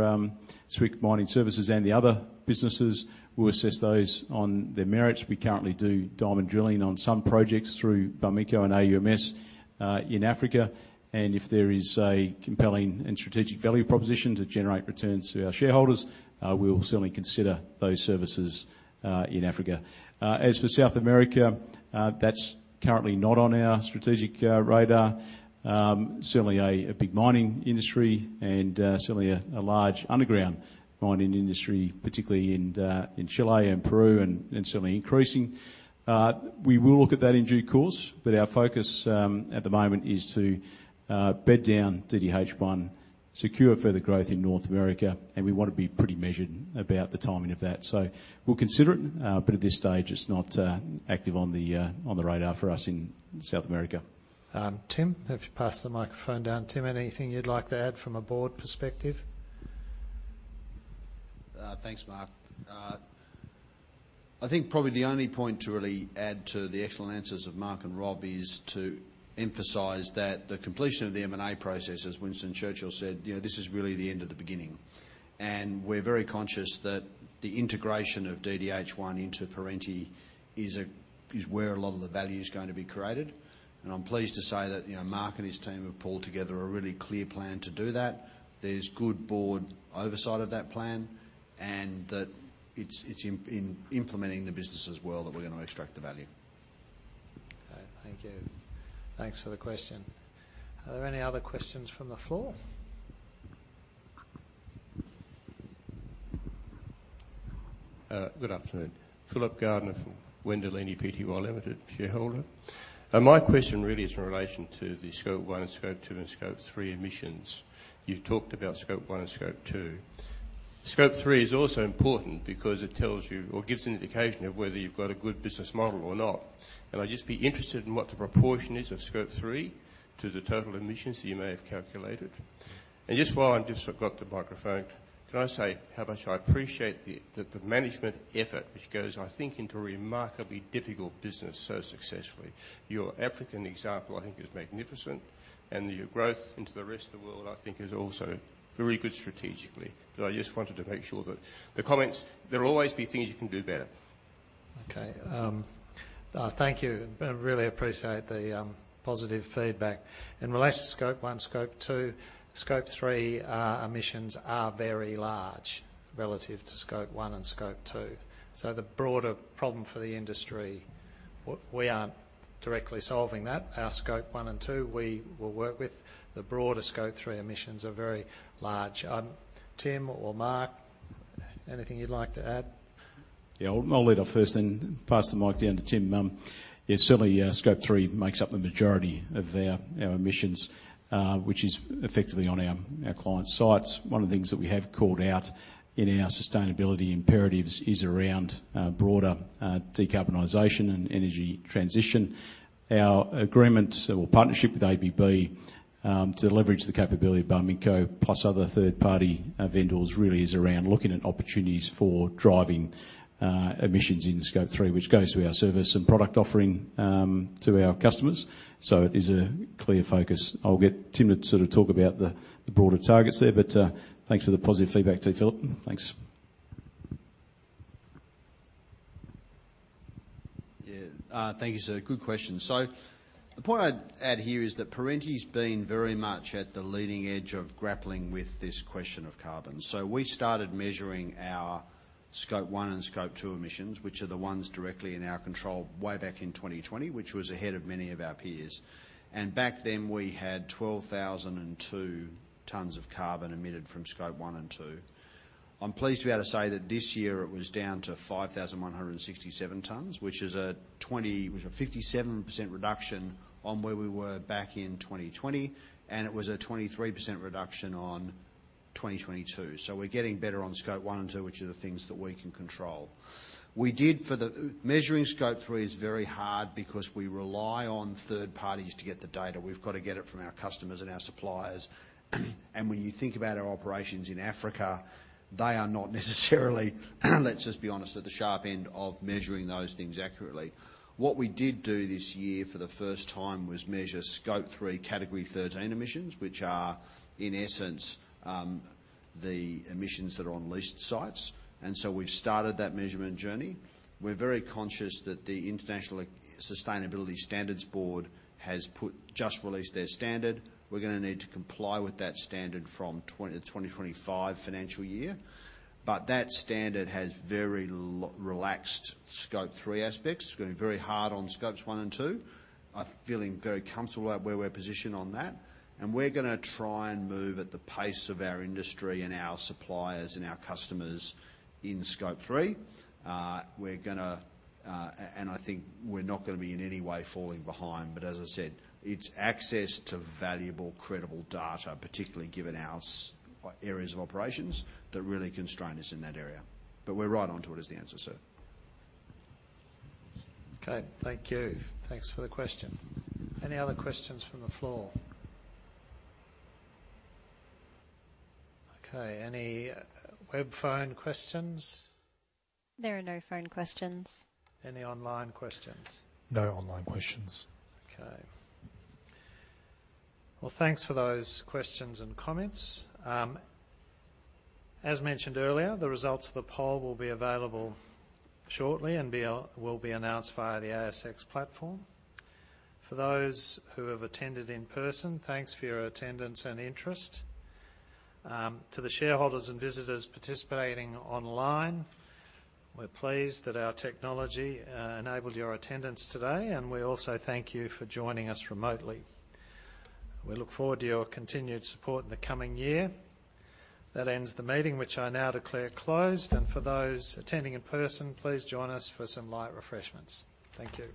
Swick Mining Services and the other businesses, we'll assess those on their merits. We currently do diamond drilling on some projects through Barminco and AUMS in Africa, and if there is a compelling and strategic value proposition to generate returns to our shareholders, we will certainly consider those services in Africa. As for South America, that's currently not on our strategic radar. Certainly a big mining industry and certainly a large underground mining industry, particularly in Chile and Peru, and certainly increasing. We will look at that in due course, but our focus at the moment is to bed down DDH1, secure further growth in North America, and we want to be pretty measured about the timing of that. So we'll consider it, but at this stage, it's not active on the radar for us in South America. Tim, if you pass the microphone down. Tim, anything you'd like to add from a board perspective? Thanks, Mark. I think probably the only point to really add to the excellent answers of Mark and Rob is to emphasize that the completion of the M&A process, as Winston Churchill said, "You know, this is really the end of the beginning." And we're very conscious that the integration of DDH1 into Perenti is where a lot of the value is going to be created. And I'm pleased to say that, you know, Mark and his team have pulled together a really clear plan to do that. There's good board oversight of that plan, and that it's in implementing the business as well, that we're gonna extract the value. Okay, thank you. Thanks for the question. Are there any other questions from the floor? Good afternoon. Philip Gardner from Wendouree Pty Limited, shareholder. My question really is in relation to the Scope 1, Scope 2, and Scope 3 emissions. You've talked about Scope 1 and Scope 2. Scope 3 is also important because it tells you or gives an indication of whether you've got a good business model or not. And I'd just be interested in what the proportion is of Scope 3 to the total emissions you may have calculated. And just while I've just got the microphone, can I say how much I appreciate the, the, the management effort, which goes, I think, into a remarkably difficult business so successfully? Your African example, I think, is magnificent, and your growth into the rest of the world, I think, is also very good strategically. But I just wanted to make sure that the comments. There will always be things you can do better. Okay, thank you. I really appreciate the positive feedback. In relation to Scope 1, Scope 2, Scope 3, emissions are very large relative to Scope 1 and Scope 2. So the broader problem for the industry, we aren't directly solving that. Our Scope 1 and 2, we will work with. The broader Scope 3 emissions are very large. Tim or Mark, anything you'd like to add? Yeah. I'll, I'll lead off first then pass the mic down to Tim. Yeah, certainly, Scope 3 makes up the majority of our, our emissions, which is effectively on our, our client's sites. One of the things that we have called out in our sustainability imperatives is around broader decarbonization and energy transition. Our agreement or partnership with ABB to leverage the capability of Barminco, plus other third-party vendors, really is around looking at opportunities for driving emissions in Scope 3, which goes to our service and product offering to our customers. So it is a clear focus. I'll get Tim to sort of talk about the broader targets there, but thanks for the positive feedback too, Philip. Thanks. Yeah. Thank you, sir. Good question. So the point I'd add here is that Perenti's been very much at the leading edge of grappling with this question of carbon. So we started measuring our Scope 1 and Scope 2 emissions, which are the ones directly in our control, way back in 2020, which was ahead of many of our peers. And back then, we had 12,002 tonnes of carbon emitted from Scope 1 and 2. I'm pleased to be able to say that this year it was down to 5,167 tonnes, which is a 57% reduction on where we were back in 2020, and it was a 23% reduction on 2022. So we're getting better on Scope 1 and 2, which are the things that we can control. Measuring Scope 3 is very hard because we rely on third parties to get the data. We've got to get it from our customers and our suppliers. And when you think about our operations in Africa, they are not necessarily, let's just be honest, at the sharp end of measuring those things accurately. What we did do this year for the first time was measure Scope 3 category thirteen emissions, which are, in essence, the emissions that are on leased sites. And so we've started that measurement journey. We're very conscious that the International Sustainability Standards Board has just released their standard. We're gonna need to comply with that standard from 2024-2025 financial year. But that standard has very relaxed Scope 3 aspects. It's gonna be very hard on Scopes 1 and 2. I'm feeling very comfortable about where we're positioned on that, and we're gonna try and move at the pace of our industry and our suppliers and our customers in Scope 3. We're gonna, and I think we're not gonna be in any way falling behind, but as I said, it's access to valuable, credible data, particularly given our areas of operations, that really constrain us in that area. But we're right on to it, is the answer, sir. Okay, thank you. Thanks for the question. Any other questions from the floor? Okay, any web, phone questions? There are no phone questions. Any online questions? No online questions. Okay. Well, thanks for those questions and comments. As mentioned earlier, the results of the poll will be available shortly and will be announced via the ASX platform. For those who have attended in person, thanks for your attendance and interest. To the shareholders and visitors participating online, we're pleased that our technology enabled your attendance today, and we also thank you for joining us remotely. We look forward to your continued support in the coming year. That ends the meeting, which I now declare closed, and for those attending in person, please join us for some light refreshments. Thank you.